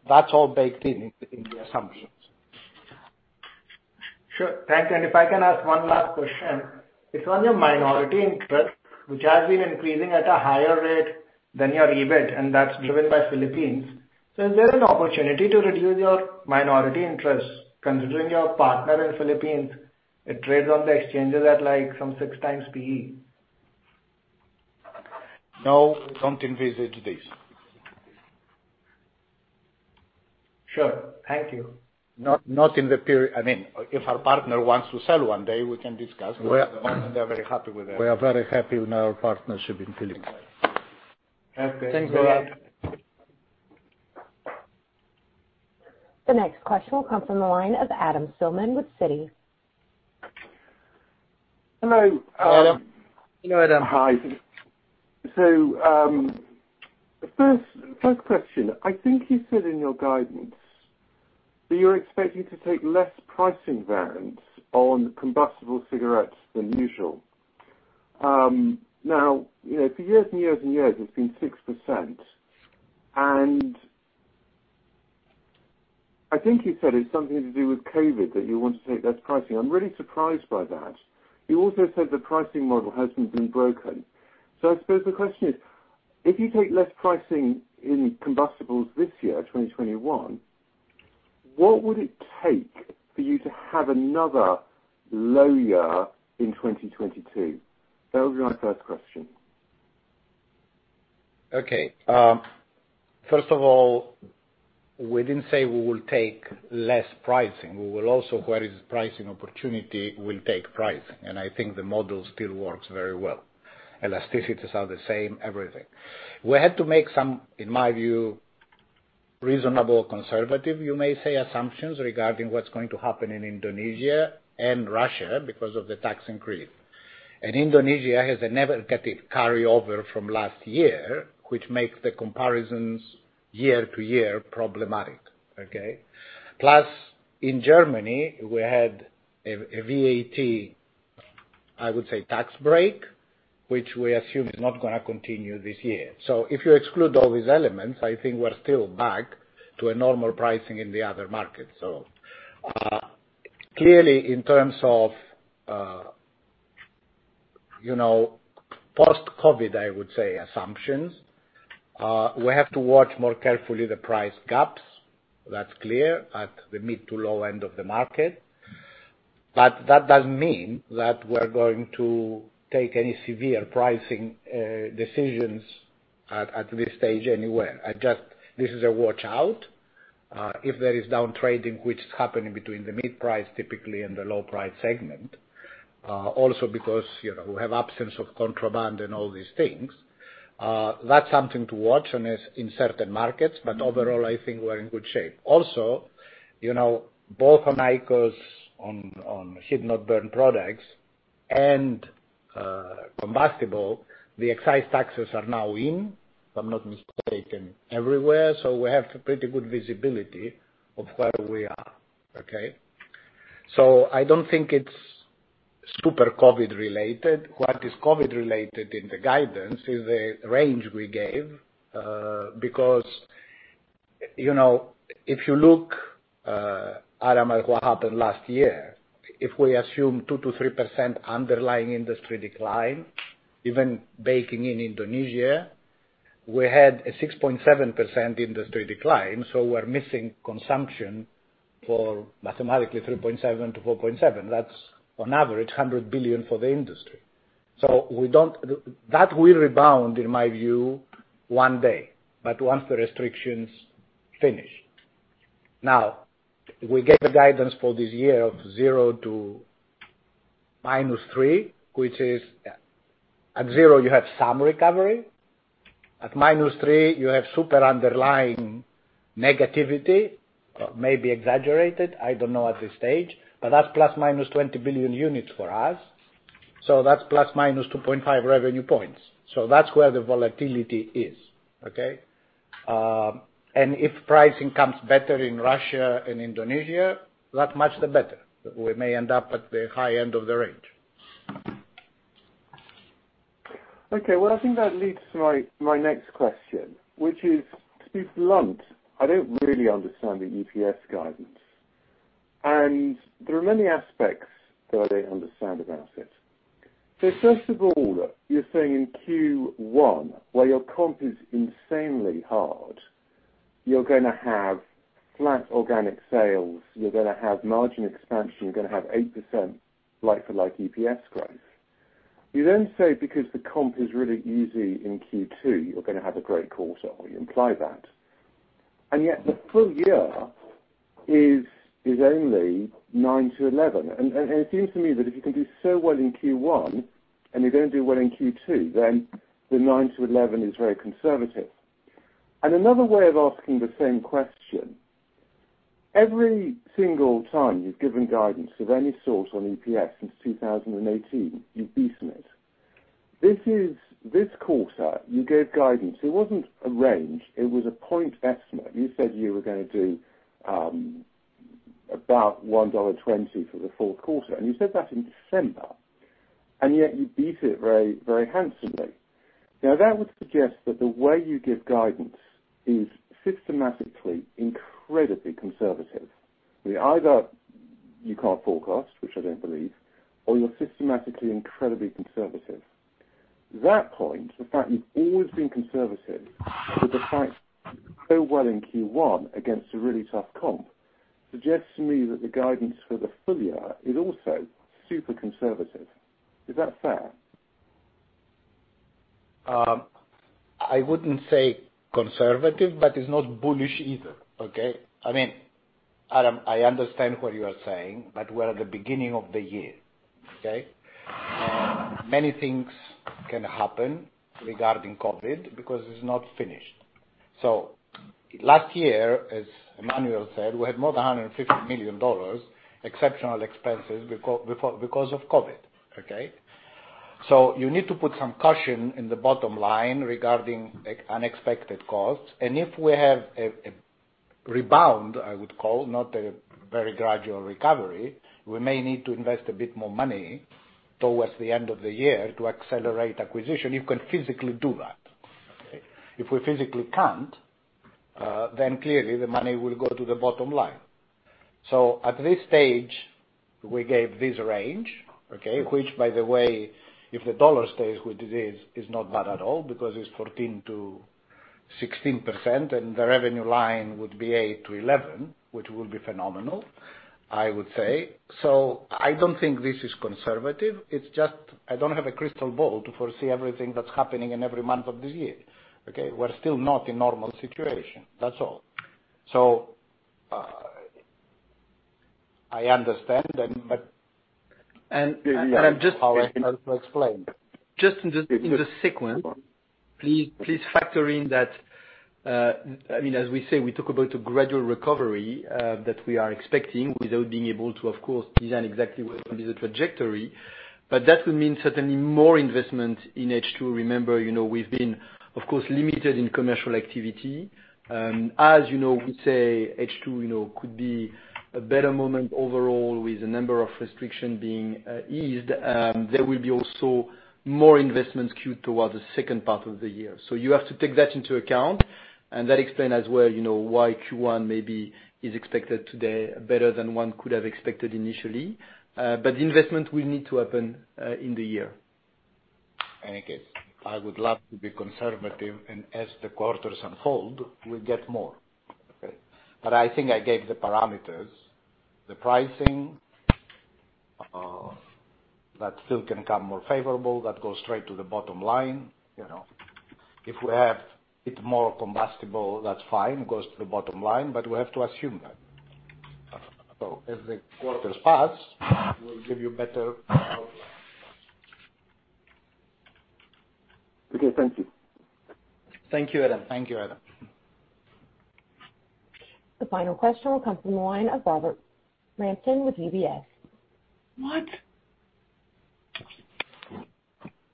That's all baked in in the assumptions. Sure. Thank you. If I can ask one last question. It's on your minority interest, which has been increasing at a higher rate than your EBIT, and that's driven by Philippines. Is there an opportunity to reduce your minority interest, considering your partner in Philippines, it trades on the exchanges at some 6x PE? No, we don't envisage this. Sure. Thank you. If our partner wants to sell one day, we can discuss. At the moment, they're very happy with that. We are very happy with our partnership in Philippines. Okay. Thanks, Gaurav. The next question will come from the line of Adam Spielman with Citi. Hello. Hello, Adam. Hi. First question. I think you said in your guidance. You're expecting to take less pricing variance on combustible cigarettes than usual. Now, for years and years and years, it's been 6%. I think you said it's something to do with COVID that you want to take less pricing. I'm really surprised by that. You also said the pricing model hasn't been broken. I suppose the question is, if you take less pricing in combustibles this year, 2021, what would it take for you to have another low year in 2022? That would be my first question. Okay. First of all, we didn't say we will take less pricing. We will also, where is pricing opportunity, will take pricing. I think the model still works very well. Elasticities are the same, everything. We had to make some, in my view, reasonable conservative, you may say, assumptions regarding what's going to happen in Indonesia and Russia because of the tax increase. Indonesia has a never-ending carryover from last year, which makes the comparisons year-to-year problematic. Okay? In Germany, we had a VAT, I would say, tax break, which we assume is not going to continue this year. If you exclude all these elements, I think we're still back to a normal pricing in the other markets. Clearly in terms of post-COVID, I would say, assumptions, we have to watch more carefully the price gaps. That's clear at the mid to low end of the market. That doesn't mean that we're going to take any severe pricing decisions at this stage anywhere. This is a watch-out. If there is downtrading, which is happening between the mid price typically and the low price segment. Because we have absence of contraband and all these things. That's something to watch in certain markets. Overall, I think we're in good shape. Both on IQOS, on heat not burn products and combustible, the excise taxes are now in, if I'm not mistaken, everywhere. We have pretty good visibility of where we are. Okay? I don't think it's super COVID-related. What is COVID-related in the guidance is the range we gave. If you look, Adam, at what happened last year, if we assume 2%-3% underlying industry decline, even baking in Indonesia, we had a 6.7% industry decline, so we're missing consumption for mathematically 3.7%-4.7%. That's on average, $100 billion for the industry. That will rebound, in my view, one day, but once the restrictions finish. We get the guidance for this year of 0% to -3%, which is at 0%, you have some recovery. At -3%, you have super underlying negativity, maybe exaggerated, I don't know at this stage. That's plus or minus 20 billion units for us. That's plus or minus 2.5 revenue points. That's where the volatility is. Okay? If pricing comes better in Russia and Indonesia, that much the better. We may end up at the high end of the range. Okay. Well, I think that leads to my next question, which is, to be blunt, I don't really understand the EPS guidance. There are many aspects that I don't understand about it. First of all, you're saying in Q1, where your comp is insanely hard, you're going to have flat organic sales, you're going to have margin expansion, you're going to have 8% like-for-like EPS growth. You then say because the comp is really easy in Q2, you're going to have a great quarter, or you imply that. Yet the full year is only 9%-11%. It seems to me that if you can do so well in Q1, and you're going to do well in Q2, then the 9% to 11% is very conservative. Another way of asking the same question, every single time you've given guidance of any sort on EPS since 2018, you've beaten it. This quarter, you gave guidance. It wasn't a range, it was a point estimate. You said you were going to do about $1.20 for the fourth quarter, and you said that in December. Yet you beat it very handsomely. That would suggest that the way you give guidance is systematically incredibly conservative. Either you can't forecast, which I don't believe, or you're systematically incredibly conservative. That point, the fact you've always been conservative, with the fact so well in Q1 against a really tough comp, suggests to me that the guidance for the full year is also super conservative. Is that fair? I wouldn't say conservative, but it's not bullish either. Okay. Adam, I understand what you are saying, but we're at the beginning of the year. Okay. Many things can happen regarding COVID because it's not finished. Last year, as Emmanuel said, we had more than $150 million exceptional expenses because of COVID. Okay. You need to put some caution in the bottom line regarding unexpected costs. If we have a rebound, I would call, not a very gradual recovery, we may need to invest a bit more money towards the end of the year to accelerate acquisition. You can physically do that. If we physically can't, then clearly the money will go to the bottom line. At this stage, we gave this range, okay. By the way, if the dollar stays where it is not bad at all, because it's 14%-16%, and the revenue line would be 8%-11%, which will be phenomenal, I would say. I don't think this is conservative. It's just I don't have a crystal ball to foresee everything that's happening in every month of this year. Okay. We're still not in normal situation. That's all. I understand, but how I can also explain. Just in the sequence, please factor in that, as we say, we talk about a gradual recovery that we are expecting without being able to, of course, design exactly what will be the trajectory. That would mean certainly more investment in H2. Remember, we've been, of course, limited in commercial activity. As you know, we say H2 could be a better moment overall with the number of restriction being eased. There will be also more investments queued towards the second part of the year. You have to take that into account, and that explain as well why Q1 maybe is expected today better than one could have expected initially. The investment will need to happen in the year. In any case, I would love to be conservative, and as the quarters unfold, we'll get more. Okay? I think I gave the parameters. The pricing, that still can come more favorable, that goes straight to the bottom line. If we have it more combustible, that's fine, it goes to the bottom line, but we have to assume that. As the quarters pass, we'll give you a better outline. Okay, thank you. Thank you, Adam. Thank you, Adam. The final question will come from the line of Robert Rampton with UBS. What?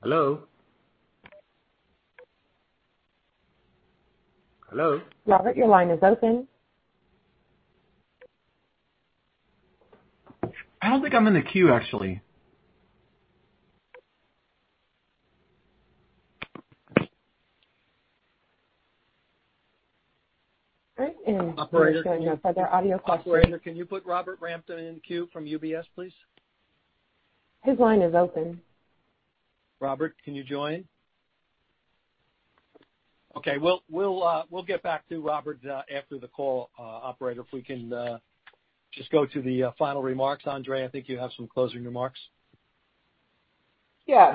Hello? Hello? Robert, your line is open. I don't think I'm in the queue, actually. I am showing no further audio. Operator, can you put Robert Rampton in queue from UBS, please? His line is open. Robert, can you join? Okay, we'll get back to Robert after the call, operator, if we can just go to the final remarks. André, I think you have some closing remarks. Yeah.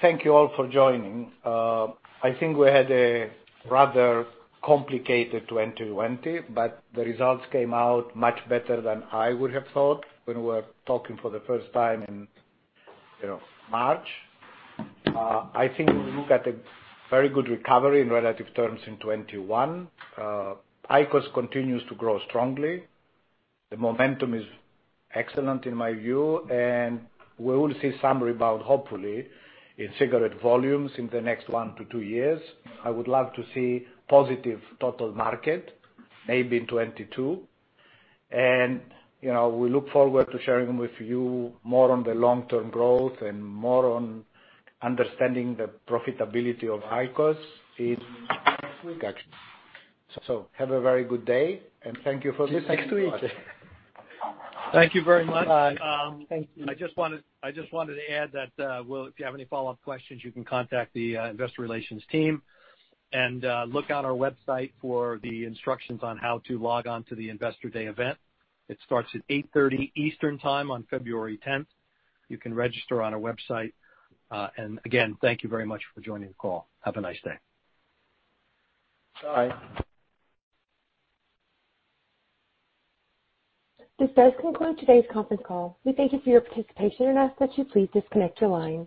Thank you all for joining. I think we had a rather complicated 2020, but the results came out much better than I would have thought when we were talking for the first time in March. I think we look at a very good recovery in relative terms in 2021. IQOS continues to grow strongly. The momentum is excellent in my view, and we will see some rebound, hopefully, in cigarette volumes in the next one to two years. I would love to see positive total market, maybe in 2022. We look forward to sharing with you more on the long-term growth and more on understanding the profitability of IQOS in the next week, actually. Have a very good day, and thank you for listening to us. See you next week. Thank you very much. Bye. Thank you. I just wanted to add that, well, if you have any follow-up questions, you can contact the investor relations team and look on our website for the instructions on how to log on to the Investor Day event. It starts at 8:30 Eastern Time on February 10th. You can register on our website. Again, thank you very much for joining the call. Have a nice day. Bye. This does conclude today's conference call. We thank you for your participation and ask that you please disconnect your line.